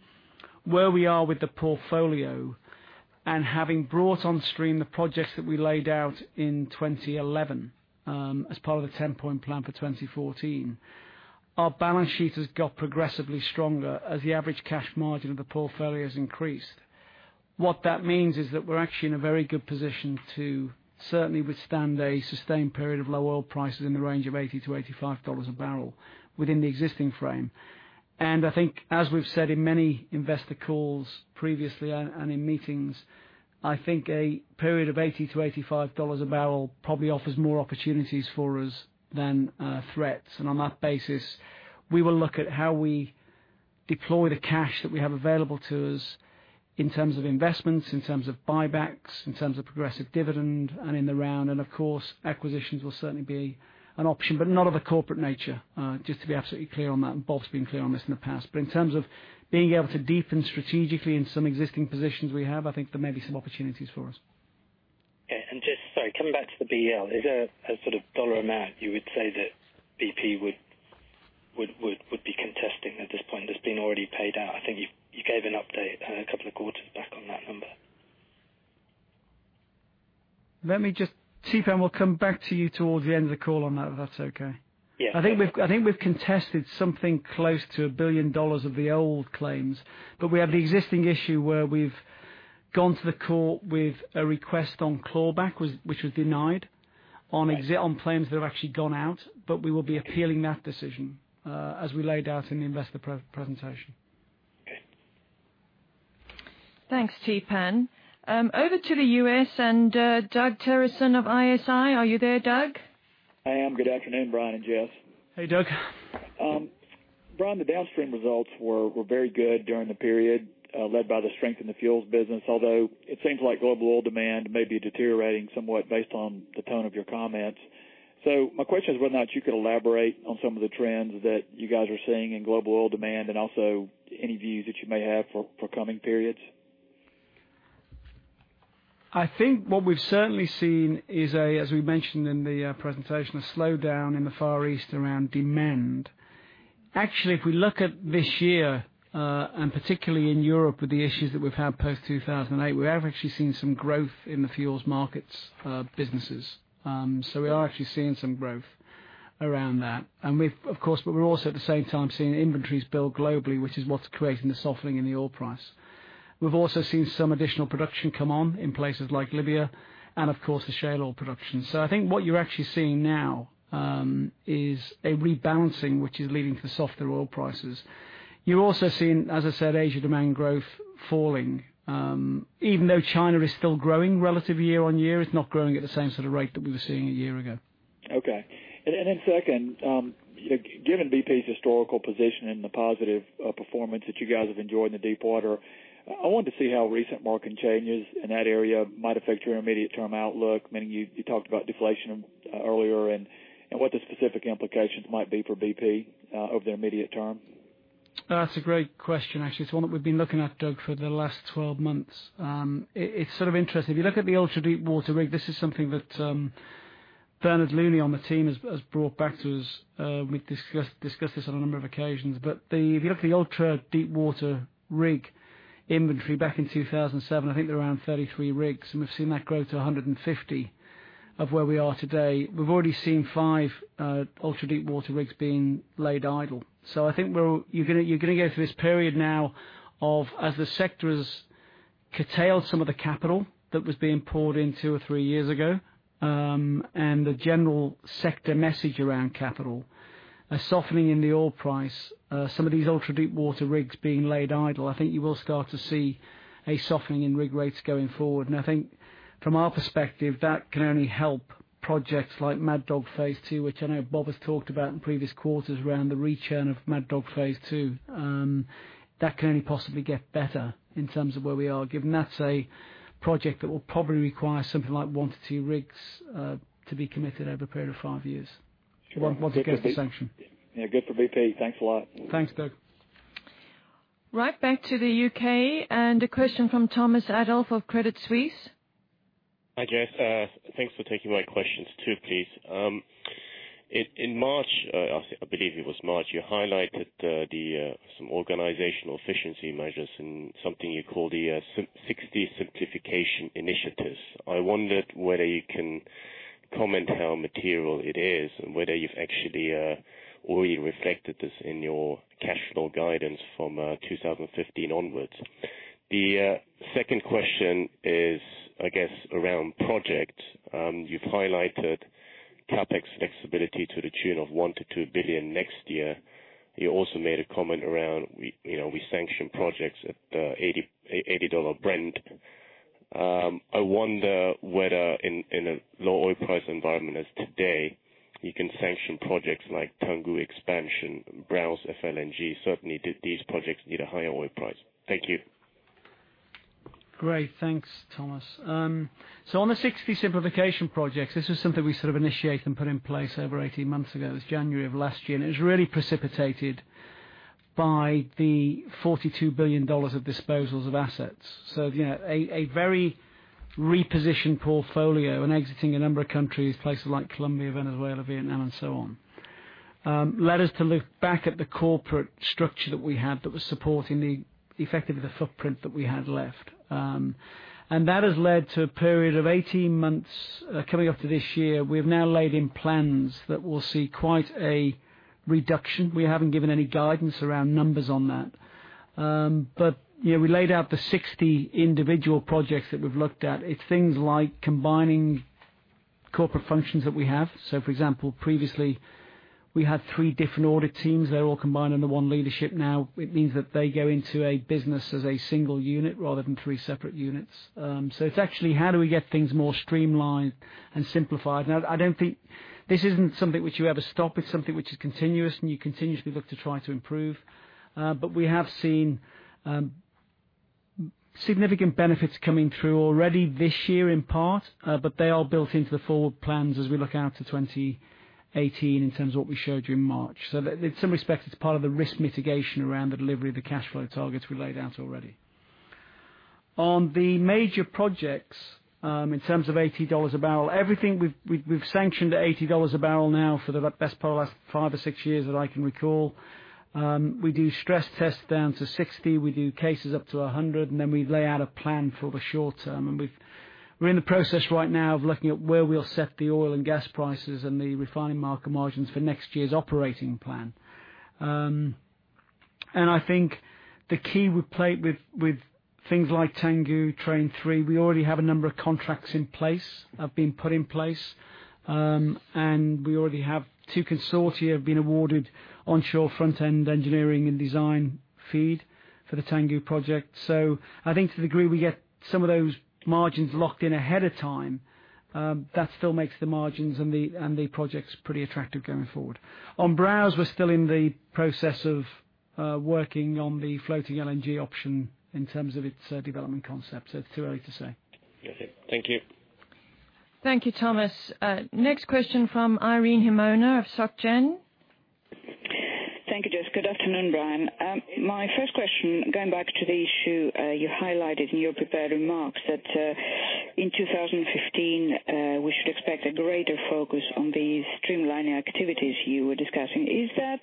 where we are with the portfolio and having brought on stream the projects that we laid out in 2011, as part of the 10-point plan for 2014, our balance sheet has got progressively stronger as the average cash margin of the portfolio has increased. What that means is that we're actually in a very good position to certainly withstand a sustained period of low oil prices in the range of $80-$85 a barrel within the existing frame. I think as we've said in many investor calls previously and in meetings, I think a period of $80-$85 a barrel probably offers more opportunities for us than threats. On that basis, we will look at how we deploy the cash that we have available to us in terms of investments, in terms of buybacks, in terms of progressive dividend, and in the round. Of course, acquisitions will certainly be an option, but not of a corporate nature. Just to be absolutely clear on that. Bob's been clear on this in the past. In terms of being able to deepen strategically in some existing positions we have, I think there may be some opportunities for us. Okay. Just coming back to the BEL, is there a sort of dollar amount you would say that BP would be contesting at this point that's been already paid out? I think you gave an update a couple of quarters back on that number. Theepan, we'll come back to you towards the end of the call on that, if that's okay. Yeah. I think we've contested something close to $1 billion of the old claims. We have the existing issue where we've gone to the court with a request on clawback, which was denied on claims that have actually gone out. We will be appealing that decision, as we laid out in the investor presentation. Okay. Thanks, Theepan. Over to the U.S. and Doug Terreson of ISI. Are you there, Doug? I am. Good afternoon, Brian and Jess. Hey, Doug. Brian, the downstream results were very good during the period, led by the strength in the fuels business, although it seems like global oil demand may be deteriorating somewhat based on the tone of your comments. My question is whether or not you could elaborate on some of the trends that you guys are seeing in global oil demand and also any views that you may have for coming periods. I think what we've certainly seen is, as we mentioned in the presentation, a slowdown in the Far East around demand. Actually, if we look at this year, and particularly in Europe with the issues that we've had post-2008, we have actually seen some growth in the fuels markets businesses. We are actually seeing some growth around that. We're also, at the same time, seeing inventories build globally, which is what's creating the softening in the oil price. We've also seen some additional production come on in places like Libya and, of course, the shale oil production. I think what you're actually seeing now is a rebalancing, which is leading to softer oil prices. You're also seeing, as I said, Asia demand growth falling. Even though China is still growing relative year-on-year, it's not growing at the same sort of rate that we were seeing a year ago. Okay. Second, given BP's historical position and the positive performance that you guys have enjoyed in the deepwater, I wanted to see how recent market changes in that area might affect your immediate term outlook, meaning you talked about deflation earlier and what the specific implications might be for BP over the immediate term. That's a great question, actually. It's one that we've been looking at, Doug, for the last 12 months. It's sort of interesting. If you look at the ultra-deep water rig, this is something that Bernard Looney on the team has brought back to us. We've discussed this on a number of occasions. If you look at the ultra-deep water rig inventory back in 2007, I think there were around 33 rigs, and we've seen that grow to 150 of where we are today. We've already seen five ultra-deep water rigs being laid idle. I think you're going to go through this period now of, as the sector's curtailed some of the capital that was being poured in two or three years ago, and the general sector message around capital, a softening in the oil price, some of these ultra-deep water rigs being laid idle. I think you will start to see a softening in rig rates going forward. I think from our perspective, that can only help projects like Mad Dog Phase 2, which I know Bob has talked about in previous quarters around the return of Mad Dog Phase 2. That can only possibly get better in terms of where we are, given that's a project that will probably require something like one to two rigs to be committed over a period of five years. Once it gets the sanction. Yeah, good for BP. Thanks a lot. Thanks, Doug. Right back to the U.K., a question from Thomas Adolff of Credit Suisse. Hi, Jess. Thanks for taking my questions too, please. In March, I believe it was March, you highlighted some organizational efficiency measures and something you call the 60 simplification initiatives. I wondered whether you can comment how material it is and whether you've actually already reflected this in your cash flow guidance from 2015 onwards. The second question is, I guess, around projects. You've highlighted CapEx flexibility to the tune of $1 billion-$2 billion next year. You also made a comment around we sanction projects at $80 Brent. I wonder whether in a low oil price environment as today, you can sanction projects like Tangguh expansion, Browse LNG. Certainly, these projects need a higher oil price. Thank you. Great. Thanks, Thomas. On the 60 simplification projects, this is something we sort of initiate and put in place over 18 months ago. It was January of last year, and it was really precipitated by the $42 billion of disposals of assets. A very repositioned portfolio and exiting a number of countries, places like Colombia, Venezuela, Vietnam, and so on, led us to look back at the corporate structure that we had that was supporting the effect of the footprint that we had left. That has led to a period of 18 months coming up to this year. We've now laid in plans that will see quite a reduction. We haven't given any guidance around numbers on that. We laid out the 60 individual projects that we've looked at. It's things like combining corporate functions that we have. For example, previously we had three different audit teams. They're all combined under one leadership now. It means that they go into a business as a single unit rather than three separate units. It's actually how do we get things more streamlined and simplified. Now, this isn't something which you ever stop. It's something which is continuous, and you continuously look to try to improve. We have seen significant benefits coming through already this year in part. They are built into the forward plans as we look out to 2018 in terms of what we showed you in March. In some respects, it's part of the risk mitigation around the delivery of the cash flow targets we laid out already. On the major projects, in terms of $80 a barrel, everything we've sanctioned at $80 a barrel now for the best part of the last five or six years that I can recall. We do stress tests down to 60. We do cases up to 100, then we lay out a plan for the short term. We're in the process right now of looking at where we'll set the oil and gas prices and the refining market margins for next year's operating plan. I think the key we play with things like Tangguh Train 3, we already have a number of contracts in place, have been put in place, and we already have two consortia have been awarded onshore front-end engineering and design FEED for the Tangguh project. I think to the degree we get some of those margins locked in ahead of time, that still makes the margins and the projects pretty attractive going forward. On Browse, we're still in the process of working on the floating LNG option in terms of its development concept. It's too early to say. Yes. Thank you. Thank you, Thomas. Next question from Irene Himona of SocGen. Thank you, Jess. Good afternoon, Brian. My first question, going back to the issue you highlighted in your prepared remarks that in 2015, we should expect a greater focus on the streamlining activities you were discussing. Is that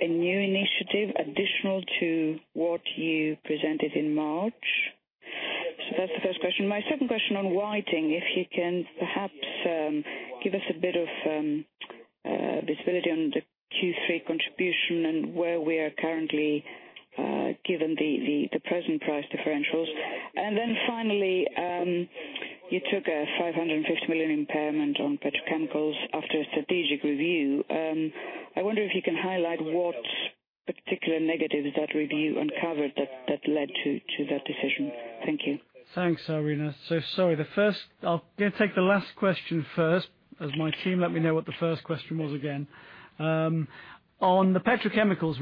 a new initiative additional to what you presented in March? That's the first question. My second question on Whiting, if you can perhaps give us a bit of visibility on the Q3 contribution and where we are currently, given the present price differentials. Finally, you took a $550 million impairment on petrochemicals after a strategic review. I wonder if you can highlight what particular negatives that review uncovered that led to that decision. Thank you. Thanks, Irene. Sorry. I'm going to take the last question first, as my team let me know what the first question was again. On the petrochemicals,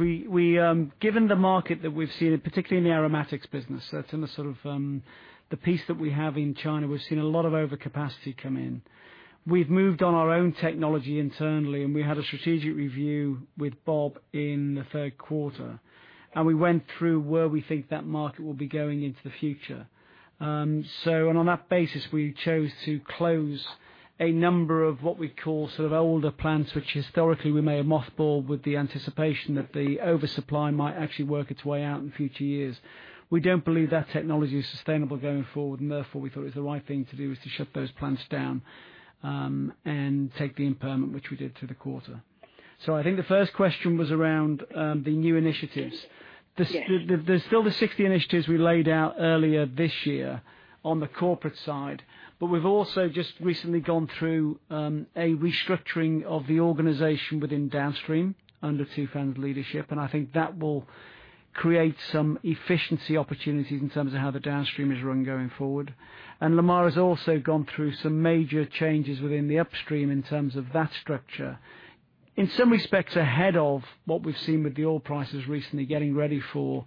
given the market that we've seen, particularly in the aromatics business, that's in the sort of the piece that we have in China, we've seen a lot of overcapacity come in. We've moved on our own technology internally, we had a strategic review with Bob in the third quarter, and we went through where we think that market will be going into the future. On that basis, we chose to close a number of what we call sort of older plants, which historically we may have mothballed with the anticipation that the oversupply might actually work its way out in future years. We don't believe that technology is sustainable going forward. Therefore, we thought it was the right thing to do was to shut those plants down, take the impairment, which we did through the quarter. I think the first question was around the new initiatives. Yes. There's still the 60 initiatives we laid out earlier this year on the corporate side. We've also just recently gone through a restructuring of the organization within Downstream under Tufan's leadership. I think that will create some efficiency opportunities in terms of how the Downstream is run going forward. Lamar has also gone through some major changes within the Upstream in terms of that structure. In some respects, ahead of what we've seen with the oil prices recently, getting ready for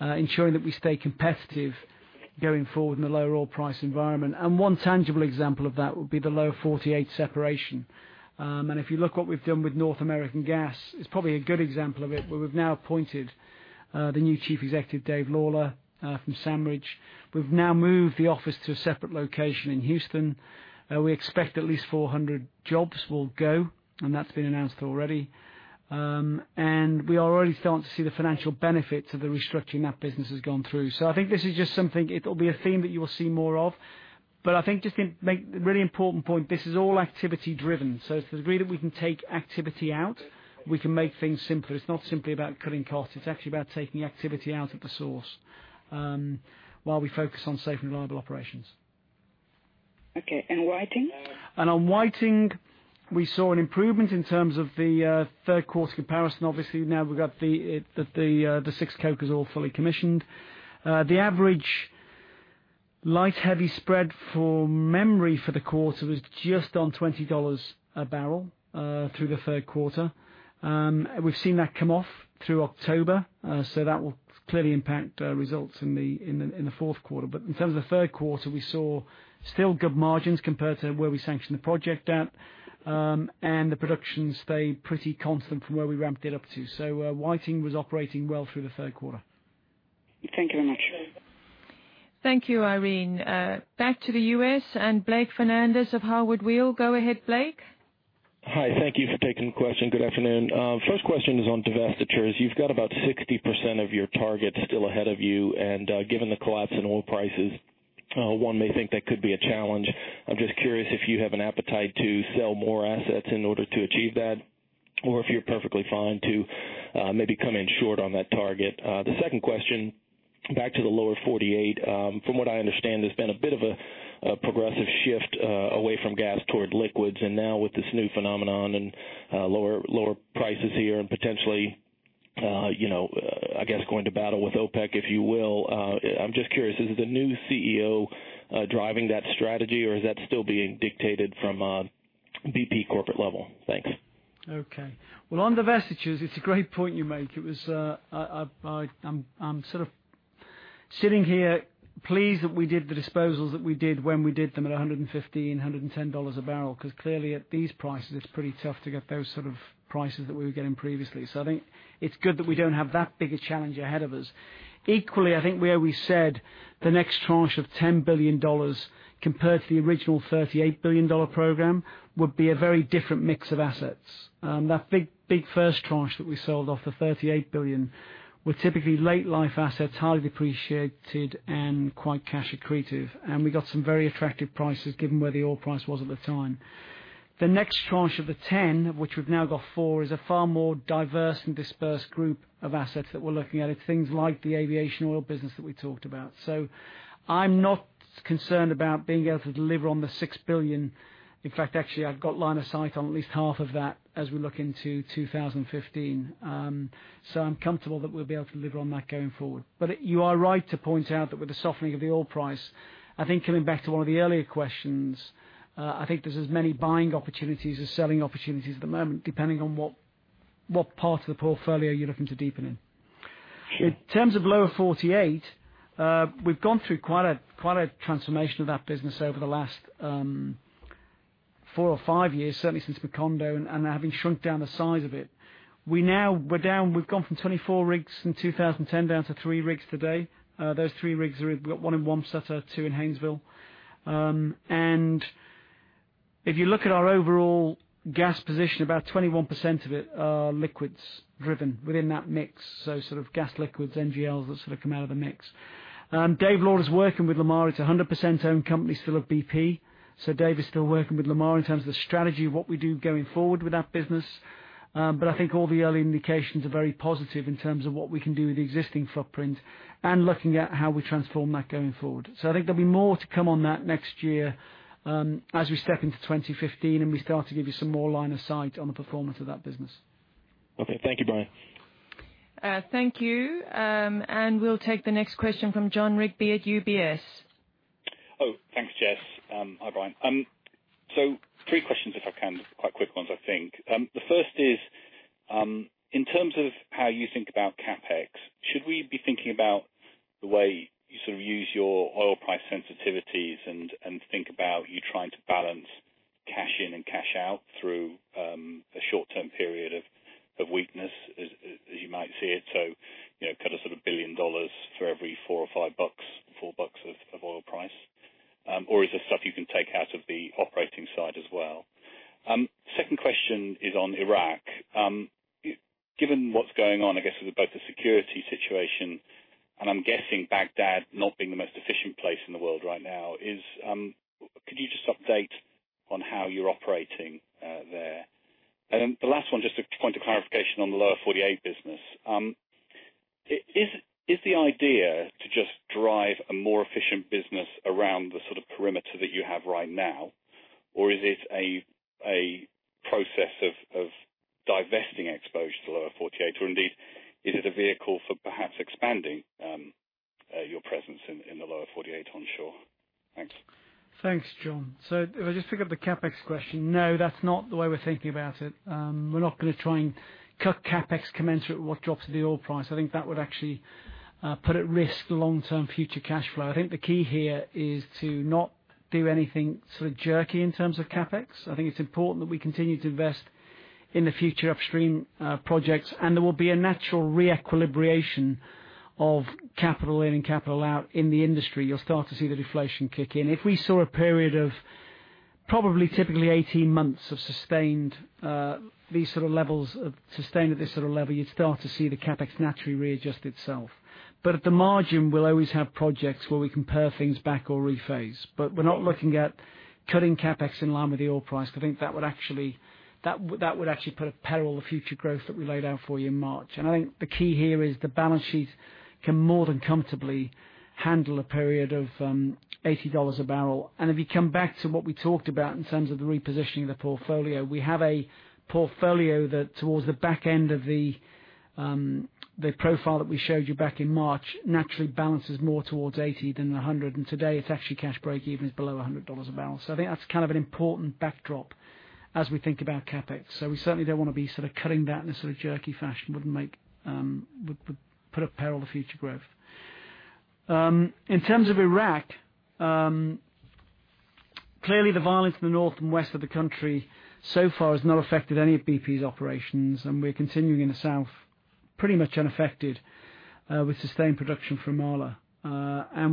ensuring that we stay competitive going forward in the lower oil price environment. One tangible example of that would be the Lower 48 separation. If you look what we've done with North American Gas, it's probably a good example of it, where we've now appointed the new chief executive, Dave Lawler from SandRidge. We've now moved the office to a separate location in Houston. We expect at least 400 jobs will go. That's been announced already. We are already starting to see the financial benefits of the restructuring that business has gone through. I think this is just something, it'll be a theme that you will see more of. I think just to make a really important point, this is all activity driven. To the degree that we can take activity out, we can make things simpler. It's not simply about cutting costs, it's actually about taking activity out at the source, while we focus on safe and reliable operations. Okay. Whiting? On Whiting, we saw an improvement in terms of the third quarter comparison. Obviously, now we've got the 6 cokers all fully commissioned. The average light heavy spread for memory for the quarter was just on $20 a barrel through the third quarter. We've seen that come off through October. That will clearly impact results in the fourth quarter. In terms of the third quarter, we saw still good margins compared to where we sanctioned the project at. The production stayed pretty constant from where we ramped it up to. Whiting was operating well through the third quarter. Thank you very much. Thank you, Irene. Back to the U.S. and Blake Fernandez of Howard Weil. Go ahead, Blake. Hi. Thank you for taking the question. Good afternoon. First question is on divestitures. You've got about 60% of your target still ahead of you, and given the collapse in oil prices, one may think that could be a challenge. I'm just curious if you have an appetite to sell more assets in order to achieve that, or if you're perfectly fine to maybe come in short on that target. The second question, back to the Lower 48. From what I understand, there's been a bit of a progressive shift away from gas toward liquids, and now with this new phenomenon and lower prices here and potentially, I guess, going to battle with OPEC, if you will. I'm just curious, is the new CEO driving that strategy, or is that still being dictated from BP corporate level? Thanks. Okay. Well, on divestitures, it's a great point you make. I'm sort of sitting here pleased that we did the disposals that we did when we did them at $115, $110 a barrel, because clearly at these prices it's pretty tough to get those sort of prices that we were getting previously. I think it's good that we don't have that big a challenge ahead of us. Equally, I think where we said the next tranche of $10 billion, compared to the original $38 billion program, would be a very different mix of assets. That big first tranche that we sold off, the $38 billion, were typically late life assets, highly depreciated and quite cash accretive. We got some very attractive prices given where the oil price was at the time. The next tranche of the 10, which we've now got four, is a far more diverse and dispersed group of assets that we're looking at. It's things like the aviation oil business that we talked about. I'm not concerned about being able to deliver on the $6 billion. In fact, actually, I've got line of sight on at least half of that as we look into 2015. I'm comfortable that we'll be able to deliver on that going forward. You are right to point out that with the softening of the oil price, I think coming back to one of the earlier questions, I think there's as many buying opportunities as selling opportunities at the moment, depending on what part of the portfolio you're looking to deepen in. Sure. In terms of Lower 48, we've gone through quite a transformation of that business over the last four or five years, certainly since Macondo and having shrunk down the size of it. We've gone from 24 rigs in 2010 down to three rigs today. Those three rigs, we've got one in Wamsutter, two in Haynesville. If you look at our overall gas position, about 21% of it are liquids driven within that mix. Gas liquids, NGLs that sort of come out of the mix. Dave Law is working with Lamar. It's 100% owned company still of BP. Dave is still working with Lamar in terms of the strategy, what we do going forward with that business. I think all the early indications are very positive in terms of what we can do with the existing footprint and looking at how we transform that going forward. I think there'll be more to come on that next year, as we step into 2015, and we start to give you some more line of sight on the performance of that business. Okay. Thank you, Brian. Thank you. We'll take the next question from Jon Rigby at UBS. Thanks, Jess. Hi, Brian. Three questions if I can. Quite quick ones, I think. The first is, in terms of how you think about CapEx, should we be thinking about the way you sort of use your oil price sensitivities and think about you trying to balance cash in and cash out through a short-term period of weakness as you might see it? Cut a sort of billion dollars for every four or five bucks, four bucks of oil price. Is there stuff you can take out of the operating side as well? Second question is on Iraq. Given what's going on, I guess, with both the security situation, and I'm guessing Baghdad not being the most efficient place in the world right now, could you just update on how you're operating there? The last one, just a point of clarification on the Lower 48 business. Is the idea to just drive a more efficient business around the sort of perimeter that you have right now, or is it a process of divesting exposure to Lower 48? Or indeed, is it a vehicle for perhaps expanding your presence in the Lower 48 onshore? Thanks. Thanks, Jon. If I just pick up the CapEx question, no, that's not the way we're thinking about it. We're not going to try and cut CapEx commensurate with what drops the oil price. I think that would actually put at risk the long-term future cash flow. I think the key here is to not do anything sort of jerky in terms of CapEx. I think it's important that we continue to invest in the future upstream projects, and there will be a natural re-equilibration of capital in and capital out in the industry. You'll start to see the deflation kick in. If we saw a period of probably typically 18 months of these sort of levels sustained at this sort of level, you'd start to see the CapEx naturally readjust itself. At the margin, we'll always have projects where we can pare things back or rephase. We're not looking at cutting CapEx in line with the oil price. I think that would actually put at peril the future growth that we laid out for you in March. I think the key here is the balance sheet can more than comfortably handle a period of $80 a barrel. If you come back to what we talked about in terms of the repositioning of the portfolio, we have a portfolio that towards the back end of the profile that we showed you back in March, naturally balances more towards 80 than 100. Today, it's actually cash break-even is below $100 a barrel. I think that's kind of an important backdrop as we think about CapEx. We certainly don't want to be sort of cutting back in a sort of jerky fashion. Would put at peril the future growth. In terms of Iraq, clearly the violence in the north and west of the country so far has not affected any of BP's operations, and we're continuing in the south pretty much unaffected, with sustained production from Rumaila.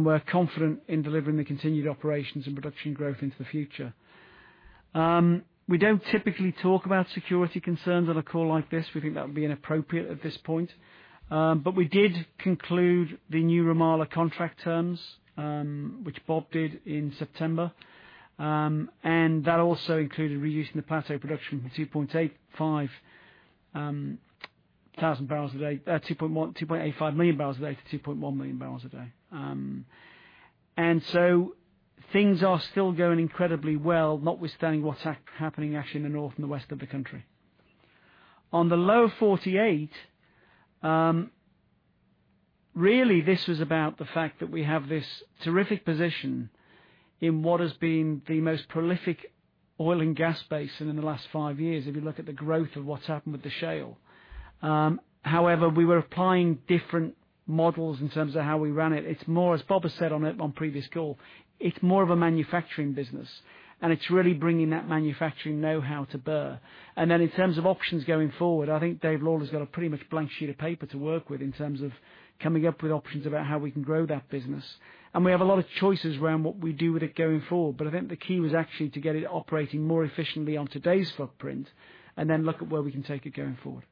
We're confident in delivering the continued operations and production growth into the future. We don't typically talk about security concerns on a call like this. We think that would be inappropriate at this point. We did conclude the new Rumaila contract terms, which Bob did in September. That also included reducing the plateau production from 2.85 million barrels a day to 2.1 million barrels a day. Things are still going incredibly well, notwithstanding what's happening actually in the north and the west of the country. On the Lower 48, really this was about the fact that we have this terrific position in what has been the most prolific oil and gas basin in the last five years, if you look at the growth of what's happened with the shale. However, we were applying different models in terms of how we ran it. It's more, as Bob has said on previous call, it's more of a manufacturing business, and it's really bringing that manufacturing know-how to bear. In terms of options going forward, I think Dave Law has got a pretty much blank sheet of paper to work with in terms of coming up with options about how we can grow that business. We have a lot of choices around what we do with it going forward. I think the key was actually to get it operating more efficiently on today's footprint and then look at where we can take it going forward.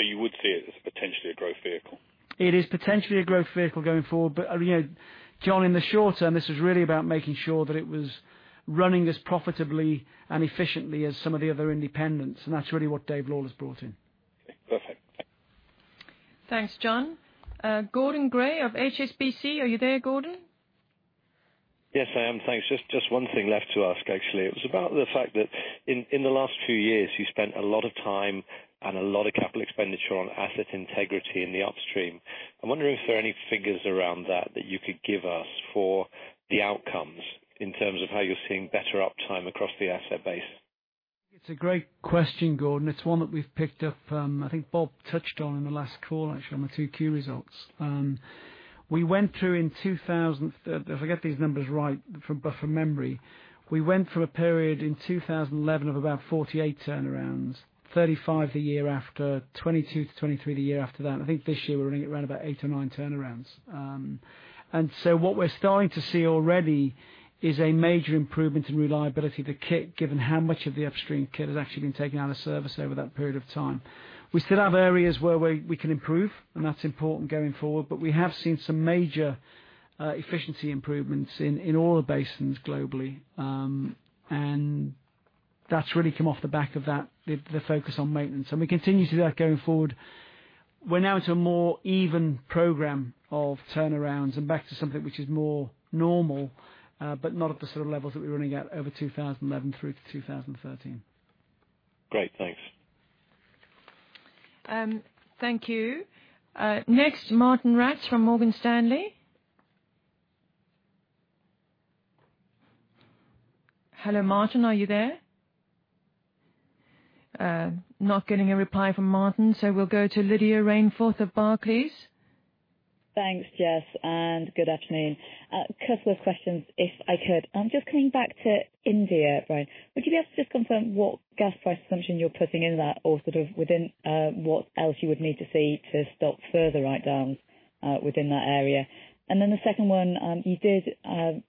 You would see it as potentially a growth vehicle? It is potentially a growth vehicle going forward. Jon, in the short term, this was really about making sure that it was running as profitably and efficiently as some of the other independents, and that's really what Dave Law has brought in. Okay. Perfect. Thanks, Jon. Gordon Gray of HSBC. Are you there, Gordon? Yes, I am. Thanks. Just one thing left to ask, actually. It was about the fact that in the last few years, you spent a lot of time and a lot of capital expenditure on asset integrity in the upstream. I'm wondering if there are any figures around that that you could give us for the outcomes in terms of how you're seeing better uptime across the asset base. It's a great question, Gordon. It's one that we've picked up, I think Bob touched on in the last call, actually, on the 2Q results. We went from a period in 2011 of about 48 turnarounds, 35 the year after, 22 to 23 the year after that. I think this year we're running at around about eight or nine turnarounds. So what we're starting to see already is a major improvement in reliability of the kit, given how much of the upstream kit has actually been taken out of service over that period of time. We still have areas where we can improve, and that's important going forward, but we have seen some major efficiency improvements in all the basins globally. That's really come off the back of that, the focus on maintenance. We continue to do that going forward. We're now into a more even program of turnarounds and back to something which is more normal, but not at the sort of levels that we were running at over 2011 through to 2013. Great. Thanks. Thank you. Next, Martijn Rats from Morgan Stanley. Hello, Martin, are you there? Not getting a reply from Martin, so we'll go to Lydia Rainforth of Barclays. Thanks, Jess, and good afternoon. A couple of questions if I could. Just coming back to India, Brian. Would you be able to just confirm what gas price assumption you're putting into that or sort of within what else you would need to see to stop further write-downs within that area? Then the second one, you did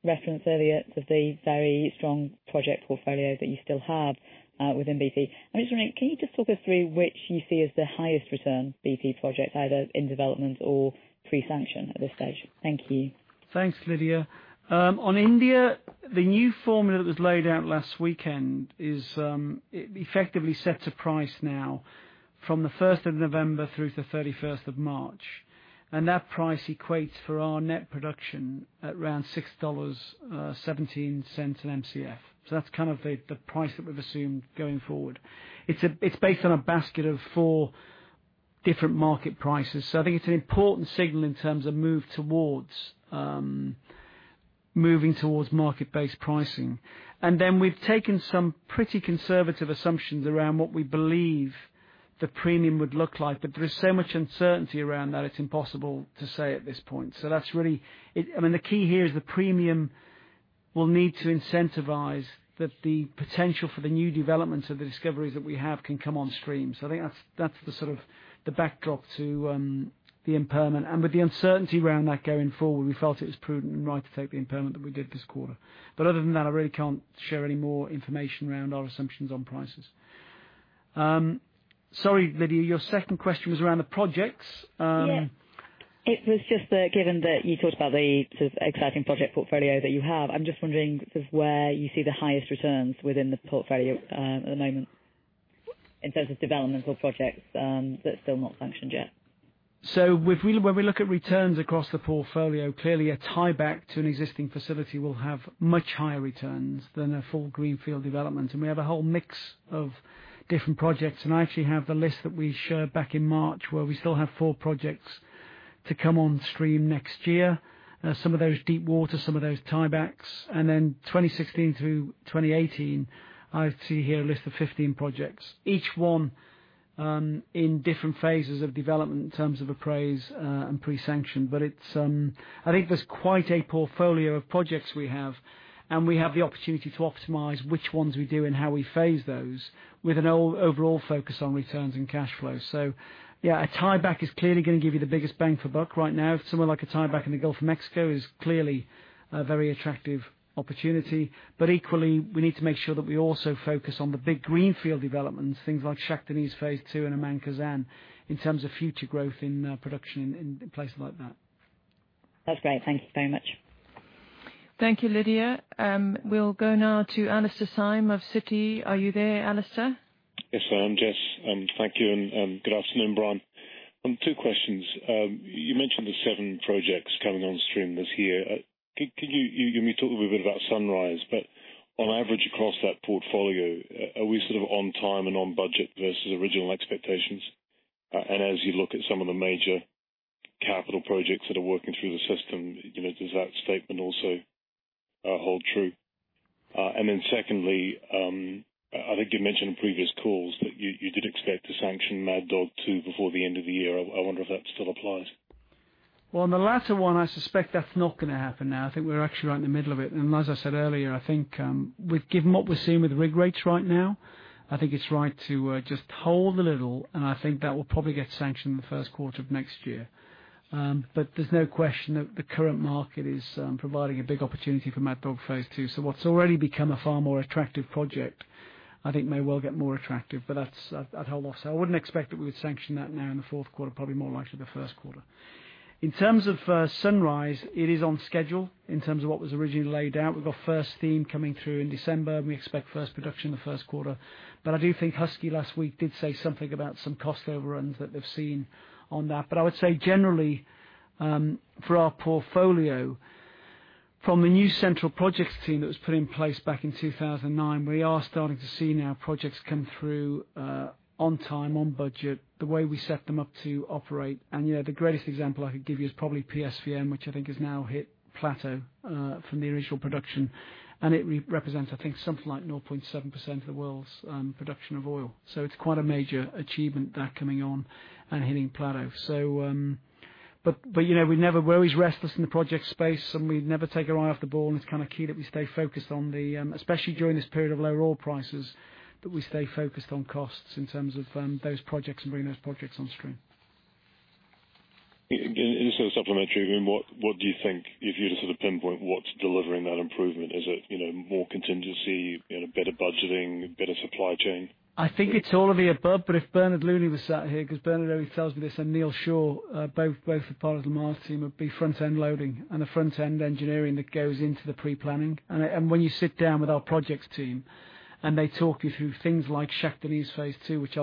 reference earlier the very strong project portfolio that you still have within BP. I'm just wondering, can you just talk us through which you see as the highest return BP project, either in development or pre-sanction at this stage? Thank you. Thanks, Lydia. On India, the new formula that was laid out last weekend effectively sets a price now from the 1st of November through to 31st of March. That price equates for our net production at around $6.17 an MCF. That's kind of the price that we've assumed going forward. It's based on a basket of four different market prices. I think it's an important signal in terms of moving towards market-based pricing. Then we've taken some pretty conservative assumptions around what we believe the premium would look like, but there is so much uncertainty around that it's impossible to say at this point. The key here is the premium will need to incentivize that the potential for the new developments of the discoveries that we have can come on stream. I think that's the sort of the backdrop to the impairment. With the uncertainty around that going forward, we felt it was prudent and right to take the impairment that we did this quarter. Other than that, I really can't share any more information around our assumptions on prices. Sorry, Lydia, your second question was around the projects. Yeah. It was just that given that you talked about the exciting project portfolio that you have, I'm just wondering sort of where you see the highest returns within the portfolio at the moment in terms of developmental projects that are still not sanctioned yet. When we look at returns across the portfolio, clearly a tieback to an existing facility will have much higher returns than a full greenfield development. We have a whole mix of different projects. I actually have the list that we showed back in March, where we still have four projects to come on stream next year. Some of those deep water, some of those tiebacks. Then 2016 through 2018, I see here a list of 15 projects. Each one in different phases of development in terms of appraise and pre-sanction. I think there's quite a portfolio of projects we have, and we have the opportunity to optimize which ones we do and how we phase those with an overall focus on returns and cash flow. Yeah, a tieback is clearly going to give you the biggest bang for buck right now. Somewhere like a tieback in the Gulf of Mexico is clearly a very attractive opportunity. Equally, we need to make sure that we also focus on the big greenfield developments, things like Shah Deniz Phase 2 and Khazzan, in terms of future growth in production in places like that. That's great. Thank you very much. Thank you, Lydia. We'll go now to Alastair Syme of Citi. Are you there, Alastair? Yes, I am, Jess. Thank you, good afternoon, Brian. Two questions. You mentioned the seven projects coming on stream this year. Could you maybe talk a little bit about Sunrise, but on average across that portfolio, are we sort of on time and on budget versus original expectations? As you look at some of the major capital projects that are working through the system, does that statement also hold true? Secondly, I think you mentioned in previous calls that you did expect to sanction Mad Dog 2 before the end of the year. I wonder if that still applies. Well, on the latter one, I suspect that's not going to happen now. I think we're actually right in the middle of it. As I said earlier, I think given what we're seeing with rig rates right now, I think it's right to just hold a little, and I think that will probably get sanctioned in the first quarter of next year. There's no question that the current market is providing a big opportunity for Mad Dog Phase 2. What's already become a far more attractive project, I think may well get more attractive. That's at hold off. I wouldn't expect that we would sanction that now in the fourth quarter, probably more likely the first quarter. In terms of Sunrise, it is on schedule in terms of what was originally laid out. We've got first steam coming through in December. We expect first production in the first quarter. I do think Husky last week did say something about some cost overruns that they've seen on that. I would say generally, for our portfolio, from the new central projects team that was put in place back in 2009, we are starting to see now projects come through on time, on budget, the way we set them up to operate. And yeah, the greatest example I could give you is probably PSVM, which I think has now hit plateau from the initial production, and it represents, I think something like 0.7% of the world's production of oil. It's quite a major achievement that coming on and hitting plateau. We're always restless in the project space, and we never take our eye off the ball, and it's kind of key that we stay focused, especially during this period of low oil prices, that we stay focused on costs in terms of those projects and bringing those projects on stream. Just as a supplementary, what do you think, if you just sort of pinpoint what's delivering that improvement? Is it more contingency, better budgeting, better supply chain? I think it's all of the above, but if Bernard Looney was sat here, because Bernard always tells me this, and Neil Shaw, both are part of the management team, it would be front-end loading and the front-end engineering that goes into the pre-planning. When you sit down with our projects team and they talk you through things like Shah Deniz Phase 2, which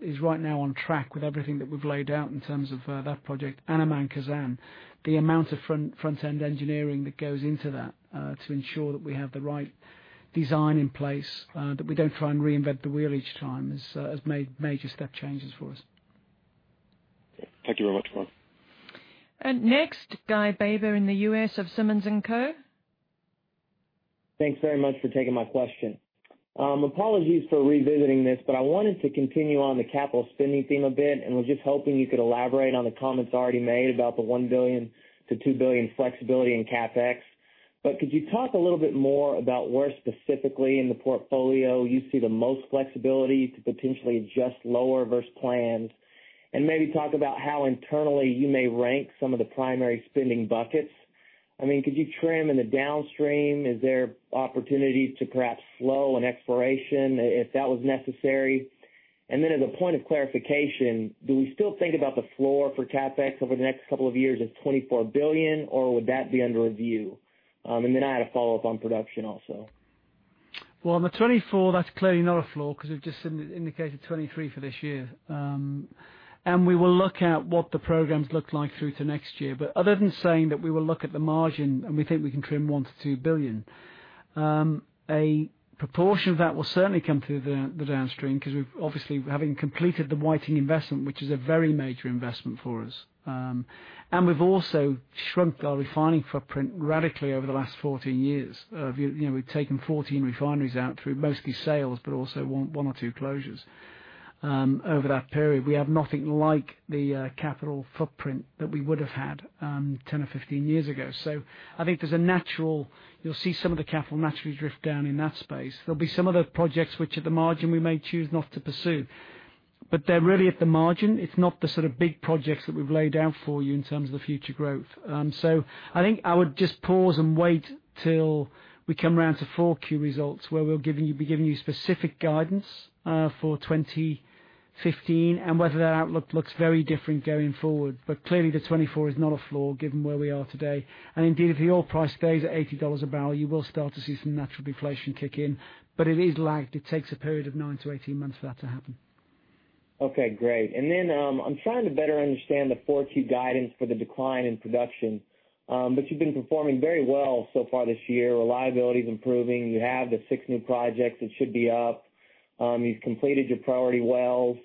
is right now on track with everything that we've laid out in terms of that project, and Khazzan. The amount of front-end engineering that goes into that to ensure that we have the right design in place, that we don't try and reinvent the wheel each time, has made major step changes for us. Thank you very much. Next, Guy Baber in the U.S. of Simmons & Co. Thanks very much for taking my question. Apologies for revisiting this, I wanted to continue on the capital spending theme a bit and was just hoping you could elaborate on the comments already made about the $1 billion-$2 billion flexibility in CapEx. Could you talk a little bit more about where specifically in the portfolio you see the most flexibility to potentially adjust lower versus planned, and maybe talk about how internally you may rank some of the primary spending buckets? Could you trim in the downstream? Is there opportunities to perhaps slow an exploration if that was necessary? As a point of clarification, do we still think about the floor for CapEx over the next couple of years as $24 billion, or would that be under review? I had a follow-up on production also. Well, on the 24, that's clearly not a floor because we've just indicated 23 for this year. We will look at what the programs look like through to next year. Other than saying that we will look at the margin and we think we can trim $1 billion-$2 billion. A proportion of that will certainly come through the downstream, because obviously having completed the Whiting investment, which is a very major investment for us. We've also shrunk our refining footprint radically over the last 14 years. We've taken 14 refineries out through mostly sales, but also one or two closures over that period. We have nothing like the capital footprint that we would have had 10 or 15 years ago. I think you'll see some of the capital naturally drift down in that space. There'll be some other projects which at the margin we may choose not to pursue. They're really at the margin. It's not the sort of big projects that we've laid out for you in terms of the future growth. I think I would just pause and wait till we come around to 4Q results, where we'll be giving you specific guidance for 2015 and whether that outlook looks very different going forward. Clearly the 24 is not a floor given where we are today. Indeed, if the oil price stays at $80 a barrel, you will start to see some natural deflation kick in. It is lagged. It takes a period of 9-18 months for that to happen. Okay, great. I'm trying to better understand the 4Q guidance for the decline in production. You've been performing very well so far this year. Reliability is improving. You have the 6 new projects that should be up. You've completed your priority wells.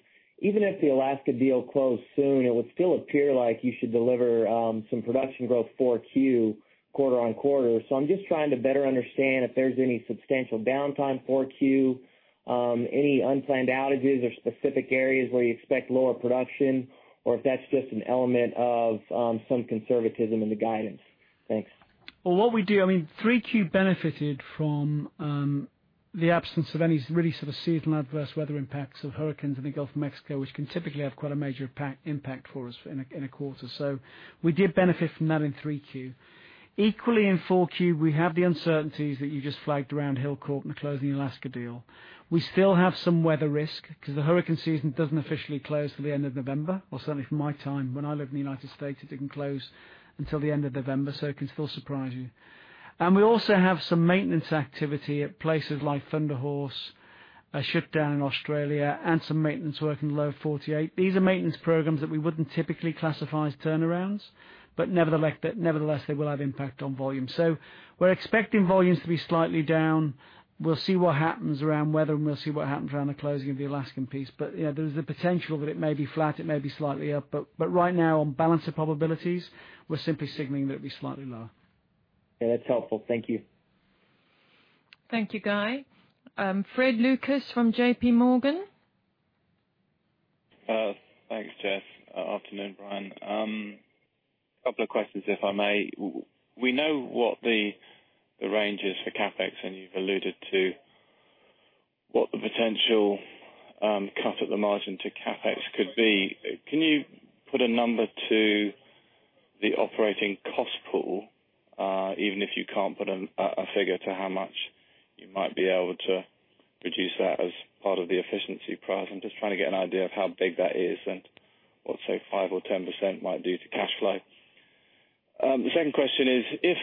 Even if the Alaska deal closed soon, it would still appear like you should deliver some production growth 4Q quarter-on-quarter. I'm just trying to better understand if there's any substantial downtime 4Q, any unplanned outages or specific areas where you expect lower production, or if that's just an element of some conservatism in the guidance. Thanks. Well, what we do, I mean, 3Q benefited from the absence of any really sort of seasonal adverse weather impacts of hurricanes in the Gulf of Mexico, which can typically have quite a major impact for us in a quarter. We did benefit from that in 3Q. Equally in 4Q, we have the uncertainties that you just flagged around Hilcorp and the closing Alaska deal. We still have some weather risk because the hurricane season doesn't officially close till the end of November, or certainly from my time. When I lived in the United States, it didn't close until the end of November, so it can still surprise you. We also have some maintenance activity at places like Thunder Horse, a shutdown in Australia, and some maintenance work in the Lower 48. These are maintenance programs that we wouldn't typically classify as turnarounds, but nevertheless, they will have impact on volume. We're expecting volumes to be slightly down. We'll see what happens around weather, and we'll see what happens around the closing of the Alaskan piece. There's a potential that it may be flat, it may be slightly up. Right now on balance of probabilities, we're simply signaling that it'll be slightly lower. Yeah, that's helpful. Thank you. Thank you, Guy. Frederick Lucas from J.P. Morgan. Thanks, Jess. Afternoon, Brian. A couple of questions, if I may. We know what the range is for CapEx, and you've alluded to what the potential cut at the margin to CapEx could be. Can you put a number to the operating cost pool, even if you can't put a figure to how much you might be able to reduce that as part of the efficiency program? I'm just trying to get an idea of how big that is and what, say, 5% or 10% might do to cash flow. The second question is, if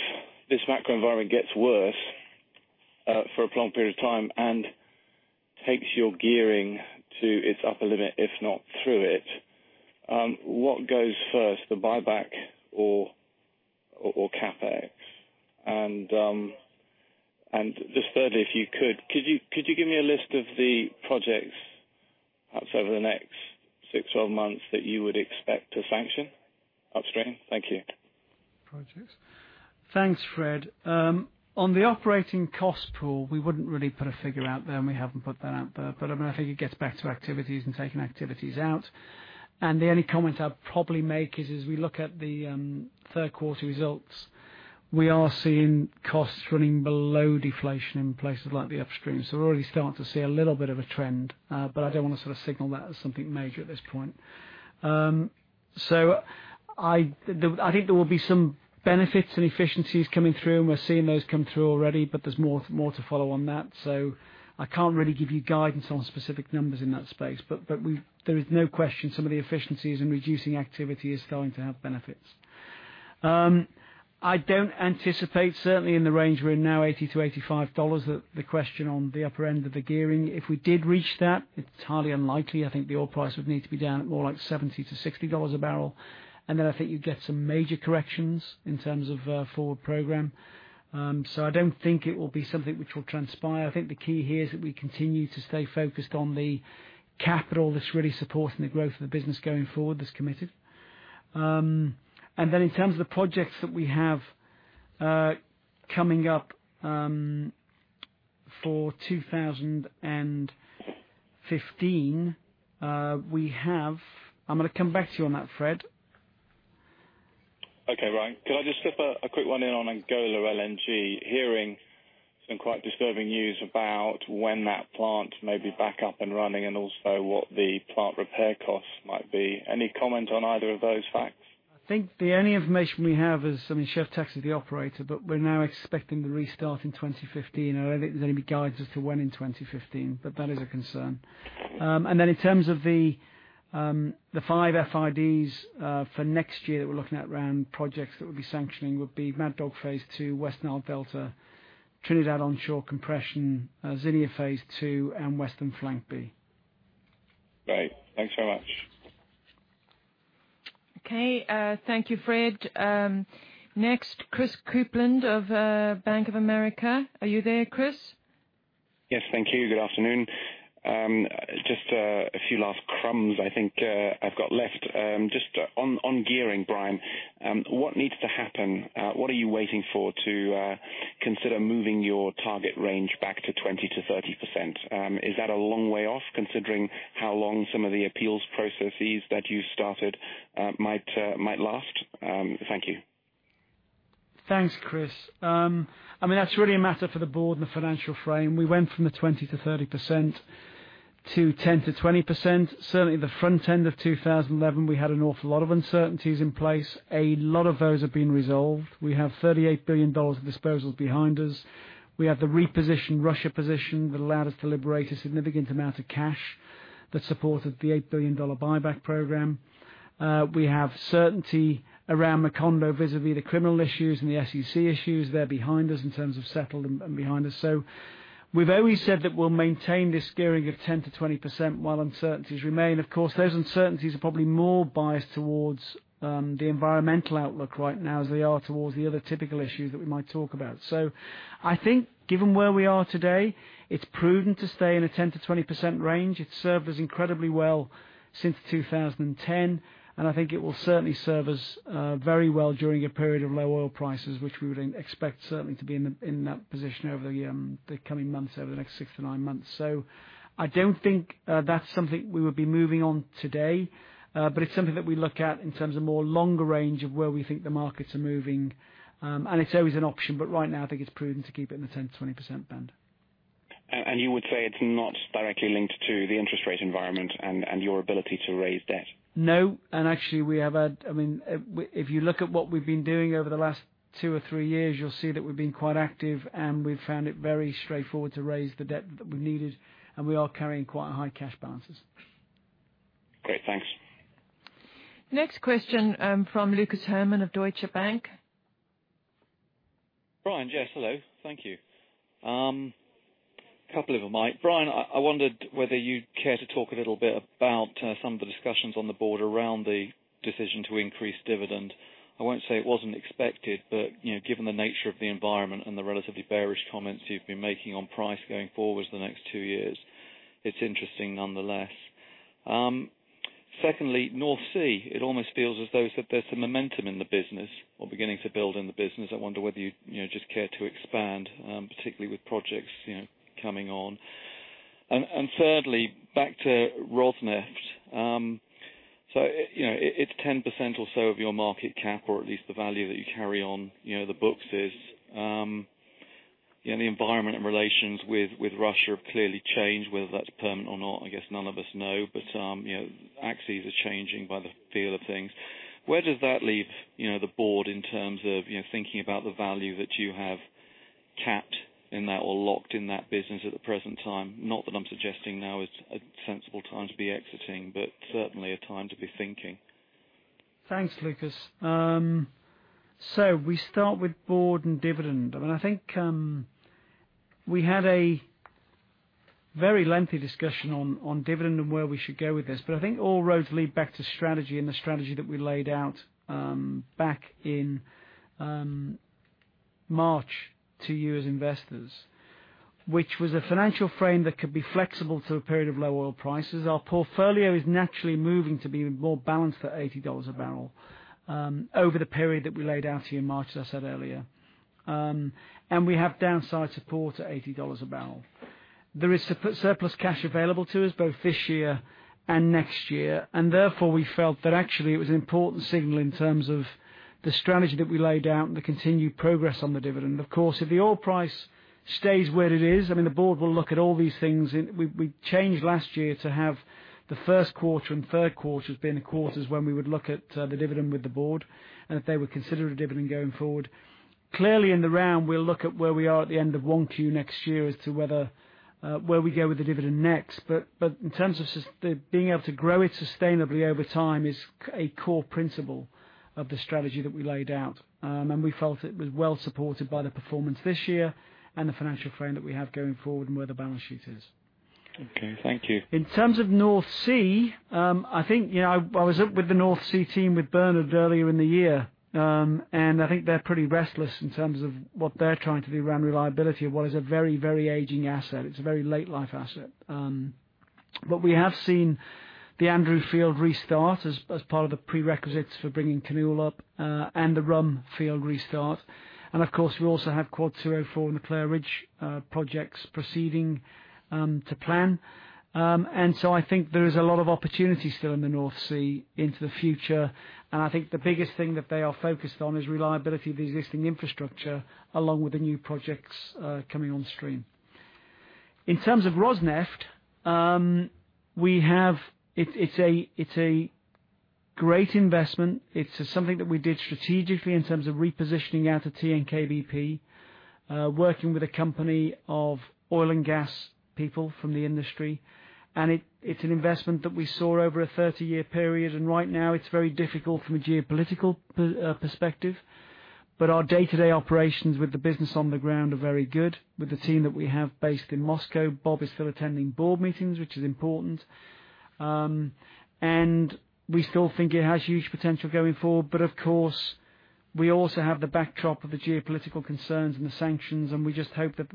this macro environment gets worse for a prolonged period of time and takes your gearing to its upper limit, if not through it, what goes first, the buyback or CapEx? Just thirdly, if you could you give me a list of the projects perhaps over the next six, 12 months that you would expect to sanction upstream? Thank you. Projects. Thanks, Fred. On the operating cost pool, we wouldn't really put a figure out there, and we haven't put that out there. I think it gets back to activities and taking activities out. The only comment I'd probably make is, as we look at the third quarter results We are seeing costs running below deflation in places like the upstream. We're already starting to see a little bit of a trend, but I don't want to signal that as something major at this point. I think there will be some benefits and efficiencies coming through, and we're seeing those come through already, but there's more to follow on that. I can't really give you guidance on specific numbers in that space, but there is no question some of the efficiencies in reducing activity is going to have benefits. I don't anticipate, certainly in the range we're in now, $80-$85, the question on the upper end of the gearing. If we did reach that, it's highly unlikely, I think the oil price would need to be down at more like $70-$60 a barrel, then I think you'd get some major corrections in terms of a forward program. I don't think it will be something which will transpire. I think the key here is that we continue to stay focused on the capital that's really supporting the growth of the business going forward, that's committed. In terms of the projects that we have coming up for 2015, we have I'm going to come back to you on that, Fred. Okay. Brian, could I just slip a quick one in on Angola LNG. Hearing some quite disturbing news about when that plant may be back up and running, and also what the plant repair costs might be. Any comment on either of those facts? I think the only information we have is, ChevronTexaco is the operator, but we're now expecting the restart in 2015. I don't think there's going to be guidance as to when in 2015, but that is a concern. In terms of the five FIDs for next year that we're looking at around projects that we'll be sanctioning would be Mad Dog Phase 2, West Nile Delta, Trinidad Onshore Compression, Zilia phase II, and Western Flank B. Great. Thanks so much. Okay. Thank you, Fred. Next, Christopher Kuplent of Bank of America. Are you there, Chris? Yes. Thank you. Good afternoon. Just a few last crumbs I think I've got left. Just on gearing, Brian. What needs to happen? What are you waiting for to consider moving your target range back to 20%-30%? Is that a long way off, considering how long some of the appeals processes that you started might last? Thank you. Thanks, Chris. That's really a matter for the board and the financial frame. We went from the 20%-30%, to 10%-20%. Certainly the front end of 2011, we had an awful lot of uncertainties in place. A lot of those have been resolved. We have $38 billion of disposals behind us. We have the reposition Russia position that allowed us to liberate a significant amount of cash that supported the $8 billion buyback program. We have certainty around Macondo, vis-à-vis the criminal issues and the SEC issues. They're behind us in terms of settled and behind us. We've always said that we'll maintain this gearing of 10%-20% while uncertainties remain. Of course, those uncertainties are probably more biased towards the environmental outlook right now as they are towards the other typical issues that we might talk about. I think given where we are today, it's prudent to stay in a 10%-20% range. It's served us incredibly well since 2010, and I think it will certainly serve us very well during a period of low oil prices, which we would expect certainly to be in that position over the coming months, over the next six to nine months. I don't think that's something we would be moving on today. It's something that we look at in terms of more longer range of where we think the markets are moving. It's always an option, but right now I think it's prudent to keep it in the 10%-20% band. You would say it's not directly linked to the interest rate environment and your ability to raise debt? No, actually, if you look at what we've been doing over the last two or three years, you'll see that we've been quite active and we've found it very straightforward to raise the debt that we've needed, and we are carrying quite high cash balances. Great. Thanks. Next question from Lucas Herrmann of Deutsche Bank. Brian, yes, hello. Thank you. Couple of them, if i may. Brian, I wondered whether you'd care to talk a little bit about some of the discussions on the board around the decision to increase dividend. I won't say it wasn't expected, but given the nature of the environment and the relatively bearish comments you've been making on price going forward to the next two years, it's interesting nonetheless. Secondly, North Sea. It almost feels as though that there's some momentum in the business or beginning to build in the business. I wonder whether you just care to expand, particularly with projects coming on. Thirdly, back to Rosneft. It's 10% or so of your market cap or at least the value that you carry on the books is. The environment and relations with Russia have clearly changed, whether that's permanent or not, I guess none of us know, but axes are changing by the feel of things. Where does that leave the board in terms of thinking about the value that you have capped in that or locked in that business at the present time? Not that I'm suggesting now is a sensible time to be exiting, but certainly a time to be thinking. Thanks, Lucas. We start with board and dividend. I think we had a very lengthy discussion on dividend and where we should go with this, but I think all roads lead back to strategy and the strategy that we laid out back in March to you as investors. Which was a financial frame that could be flexible through a period of low oil prices. Our portfolio is naturally moving to be more balanced at $80 a barrel over the period that we laid out to you in March, as I said earlier. We have downside support at $80 a barrel. There is surplus cash available to us both this year and next year. Therefore, we felt that actually it was an important signal in terms of the strategy that we laid out and the continued progress on the dividend. Of course, if the oil price stays where it is, the board will look at all these things. We changed last year to have the first quarter and third quarter as being the quarters when we would look at the dividend with the board, and if they would consider a dividend going forward. Clearly, in the round, we'll look at where we are at the end of 1Q next year as to where we go with the dividend next. In terms of being able to grow it sustainably over time is a core principle of the strategy that we laid out. We felt it was well supported by the performance this year and the financial frame that we have going forward and where the balance sheet is. Okay. Thank you. In terms of North Sea, I was up with the North Sea team with Bernard earlier in the year. I think they're pretty restless in terms of what they're trying to do around reliability of what is a very aging asset. It's a very late life asset. We have seen the Andrew field restart as part of the prerequisites for bringing Kinnoull up, and the Rhum field restart. Of course, we also have Quad 204 and the Clair Ridge projects proceeding to plan. I think there is a lot of opportunity still in the North Sea into the future. I think the biggest thing that they are focused on is reliability of the existing infrastructure along with the new projects coming on stream. In terms of Rosneft, it's a great investment. It's something that we did strategically in terms of repositioning out of TNK-BP, working with a company of oil and gas people from the industry. It's an investment that we saw over a 30-year period. Right now it's very difficult from a geopolitical perspective. Our day-to-day operations with the business on the ground are very good with the team that we have based in Moscow. Bob is still attending board meetings, which is important. We still think it has huge potential going forward. Of course, we also have the backdrop of the geopolitical concerns and the sanctions, we just hope that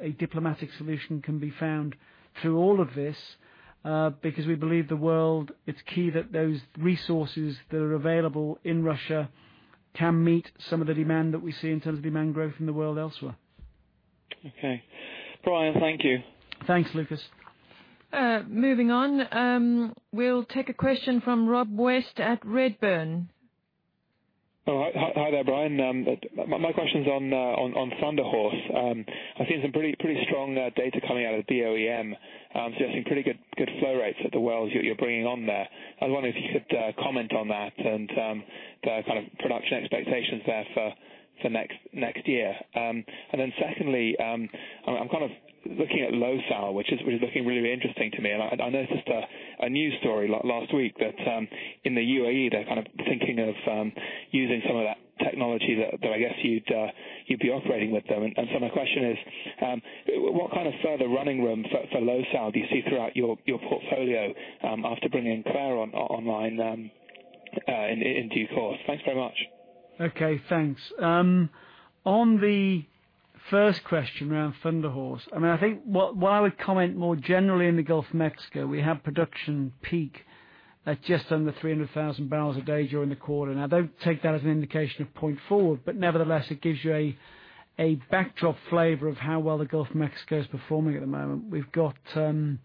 a diplomatic solution can be found through all of this. We believe the world, it's key that those resources that are available in Russia can meet some of the demand that we see in terms of demand growth in the world elsewhere. Okay. Brian, thank you. Thanks, Lucas. Moving on. We'll take a question from Rob West at Redburn. Hi there, Brian. My question's on Thunder Horse. I've seen some pretty strong data coming out of Department of Energy suggesting pretty good flow rates at the wells you're bringing on there. I was wondering if you could comment on that and the kind of production expectations there for next year. Secondly, I'm looking at LoSal, which is looking really interesting to me. I noticed a news story last week that in the UAE, they're thinking of using some of that technology that I guess you'd be operating with them. My question is, what kind of further running room for LoSal do you see throughout your portfolio after bringing Clair online in due course? Thanks very much. Okay, thanks. On the first question around Thunder Horse, I think what I would comment more generally in the Gulf of Mexico, we have production peak at just under 300,000 barrels a day during the quarter. Don't take that as an indication of point forward, but nevertheless, it gives you a backdrop flavor of how well the Gulf of Mexico is performing at the moment. We've got 10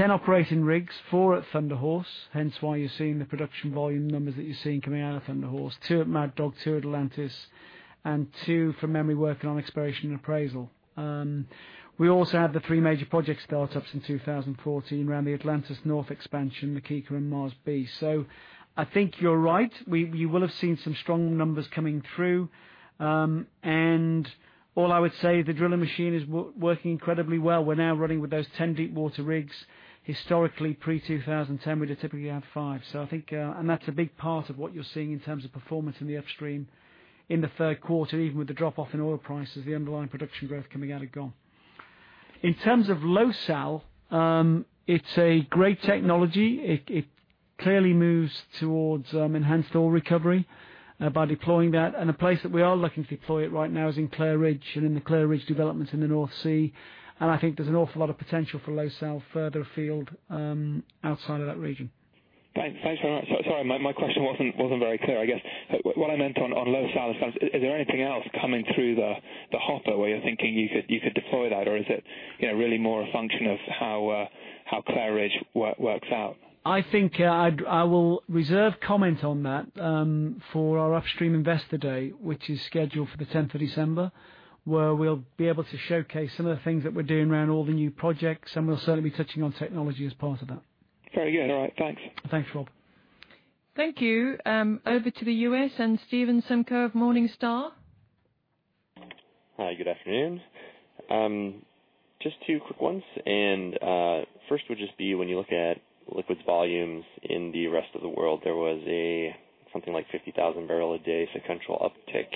operating rigs, four at Thunder Horse, hence why you're seeing the production volume numbers that you're seeing coming out of Thunder Horse. Two at Mad Dog, two at Atlantis, and two from memory working on exploration and appraisal. We also have the three major project startups in 2014 around the Atlantis North expansion, Na Kika, and Mars B. I think you're right. We will have seen some strong numbers coming through. All I would say, the drilling machine is working incredibly well. We are now running with those 10 deepwater rigs. Historically, pre-2010, we would typically have five. That is a big part of what you are seeing in terms of performance in the upstream in the third quarter, even with the drop-off in oil prices, the underlying production growth coming out of GoM. In terms of LoSal, it is a great technology. It clearly moves towards enhanced oil recovery by deploying that. A place that we are looking to deploy it right now is in Clair Ridge and in the Clair Ridge developments in the North Sea. I think there is an awful lot of potential for LoSal further afield outside of that region. Thanks very much. Sorry, my question wasn't very clear. I guess what I meant on LoSal is there anything else coming through the hopper where you are thinking you could deploy that? Is it really more a function of how Clair Ridge works out? I think I will reserve comment on that for our Upstream Investor Day, which is scheduled for the 10th of December, where we will be able to showcase some of the things that we are doing around all the new projects, we will certainly be touching on technology as part of that. Very good. All right. Thanks. Thanks, Rob. Thank you. Over to the U.S. and Stephen Simko of Morningstar. Hi, good afternoon. Just two quick ones. First would just be when you look at liquids volumes in the rest of the world, there was something like 50,000 barrels a day sequential uptick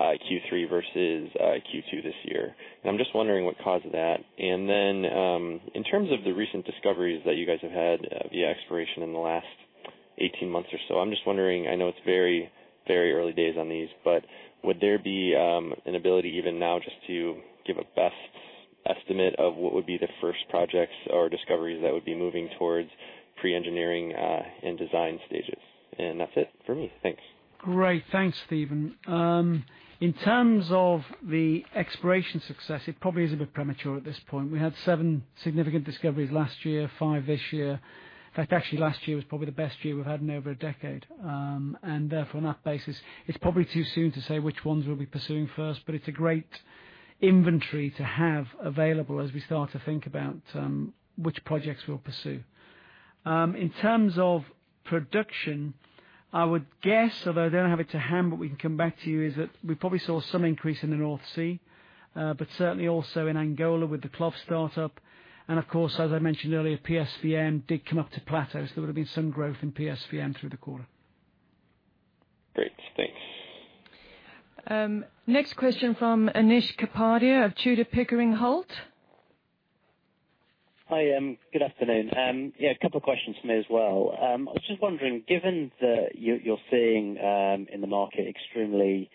Q3 versus Q2 this year. I'm just wondering what caused that. In terms of the recent discoveries that you guys have had via exploration in the last 18 months or so, I'm just wondering, I know it's very early days on these, but would there be an ability even now just to give a best estimate of what would be the first projects or discoveries that would be moving towards Pre-engineering and design stages. That's it for me. Thanks. Great. Thanks, Stephen. In terms of the exploration success, it probably is a bit premature at this point. We had seven significant discoveries last year, five this year. In fact, actually last year was probably the best year we've had in over a decade. Therefore, on that basis, it's probably too soon to say which ones we'll be pursuing first, but it's a great inventory to have available as we start to think about which projects we'll pursue. In terms of production, I would guess, although I don't have it to hand, but we can come back to you, is that we probably saw some increase in the North Sea. Certainly also in Angola with the CLOV start-up. Of course, as I mentioned earlier, PSVM did come up to plateau, so there would have been some growth in PSVM through the quarter. Great. Thanks. Next question from Anish Kapadia of Tudor, Pickering Holt. Hi, good afternoon. A couple of questions from me as well. I was just wondering, given that you're seeing in the market extremely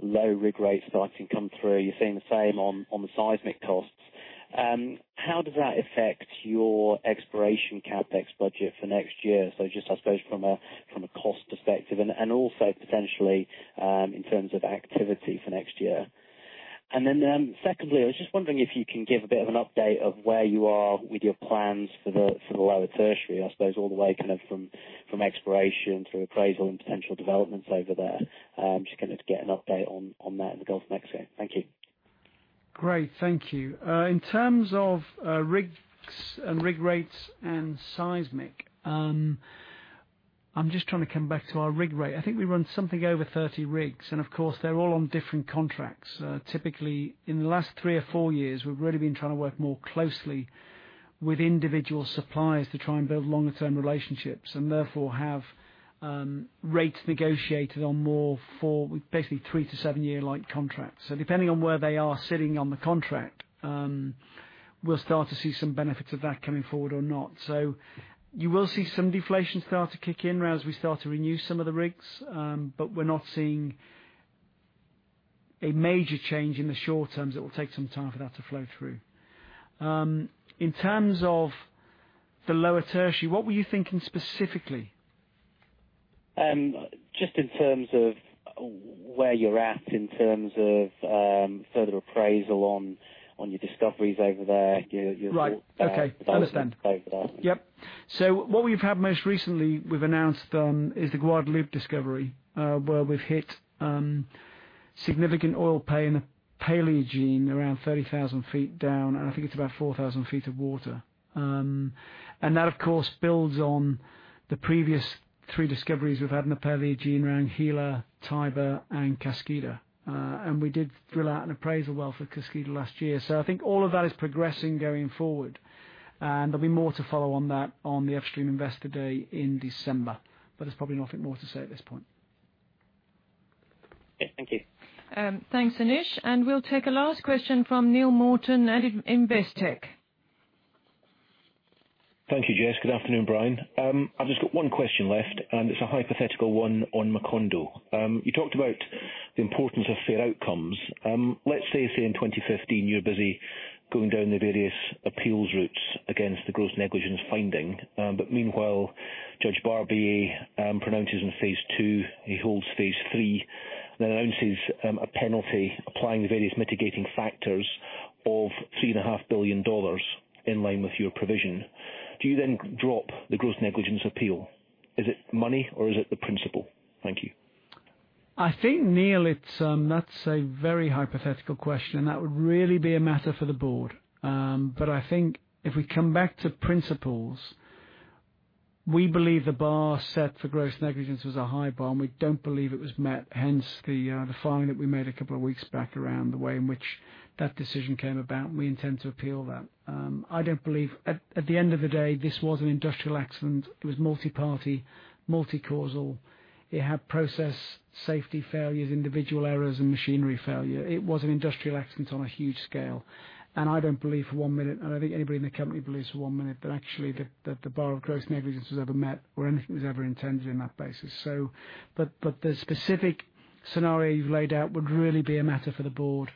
low rig rates starting to come through, you're seeing the same on the seismic costs, how does that affect your exploration CapEx budget for next year? Just, I suppose from a cost perspective and also potentially, in terms of activity for next year. Secondly, I was just wondering if you can give a bit of an update of where you are with your plans for the Lower Tertiary, I suppose all the way from exploration through appraisal and potential developments over there. Just going to get an update on that in the Gulf of Mexico. Thank you. Great. Thank you. In terms of rigs and rig rates and seismic. I'm just trying to come back to our rig rate. I think we run something over 30 rigs. Of course, they're all on different contracts. Typically, in the last three or four years, we've really been trying to work more closely with individual suppliers to try and build longer term relationships and therefore have rates negotiated on more for basically three to seven-year like contracts. Depending on where they are sitting on the contract, we'll start to see some benefits of that coming forward or not. You will see some deflation start to kick in as we start to renew some of the rigs. We're not seeing a major change in the short term, it will take some time for that to flow through. In terms of the lower tertiary, what were you thinking specifically? Just in terms of where you're at in terms of further appraisal on your discoveries over there? Right. Okay. Understand.. Yep. What we've had most recently, we've announced, is the Guadalupe discovery, where we've hit significant oil Paleogene around 30,000 feet down, and I think it's about 4,000 feet of water. That, of course, builds on the previous three discoveries we've had in the Paleogene around Gila, Tiber, and Kaskida. We did drill out an appraisal well for Kaskida last year. I think all of that is progressing going forward, and there'll be more to follow on that on the Upstream Investor Day in December. There's probably nothing more to say at this point. Okay. Thank you. Thanks, Anish. We'll take a last question from Neill Morton at Investec. Thank you, Jess. Good afternoon, Brian. I've just got one question left, and it's a hypothetical one on Macondo. You talked about the importance of fair outcomes. Let's say in 2015, you're busy going down the various appeals routes against the gross negligence finding. Meanwhile, Carl Barbier pronounces on phase 2, he holds phase 3, then announces a penalty applying the various mitigating factors of $3.5 billion in line with your provision. Do you then drop the gross negligence appeal? Is it money or is it the principle? Thank you. I think, Neill, that's a very hypothetical question, and that would really be a matter for the board. I think if we come back to principles, we believe the bar set for gross negligence was a high bar, and we don't believe it was met, hence the filing that we made a couple of weeks back around the way in which that decision came about, and we intend to appeal that. I don't believe at the end of the day, this was an industrial accident. It was multi-party, multi-causal. It had process safety failures, individual errors, and machinery failure. It was an industrial accident on a huge scale. I don't believe for one minute, and I don't think anybody in the company believes for one minute that actually that the bar of gross negligence was ever met or anything was ever intended in that basis. The specific scenario you've laid out would really be a matter for the board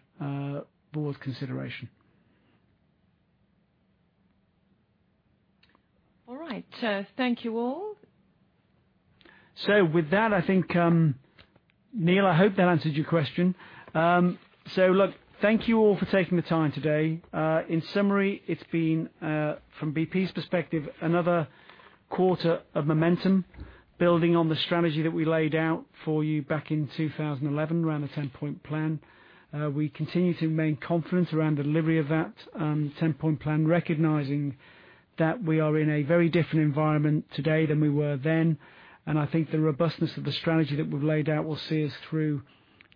consideration. All right. Thank you all. With that, I think, Neill, I hope that answered your question. Look, thank you all for taking the time today. In summary, it's been, from BP's perspective, another quarter of momentum building on the strategy that we laid out for you back in 2011 around the Ten-Point Plan. We continue to remain confident around delivery of that Ten-Point Plan, recognizing that we are in a very different environment today than we were then. I think the robustness of the strategy that we've laid out will see us through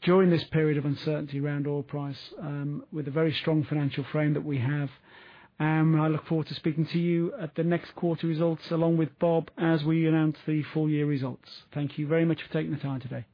during this period of uncertainty around oil price, with a very strong financial frame that we have. I look forward to speaking to you at the next quarter results, along with Bob, as we announce the full-year results. Thank you very much for taking the time today.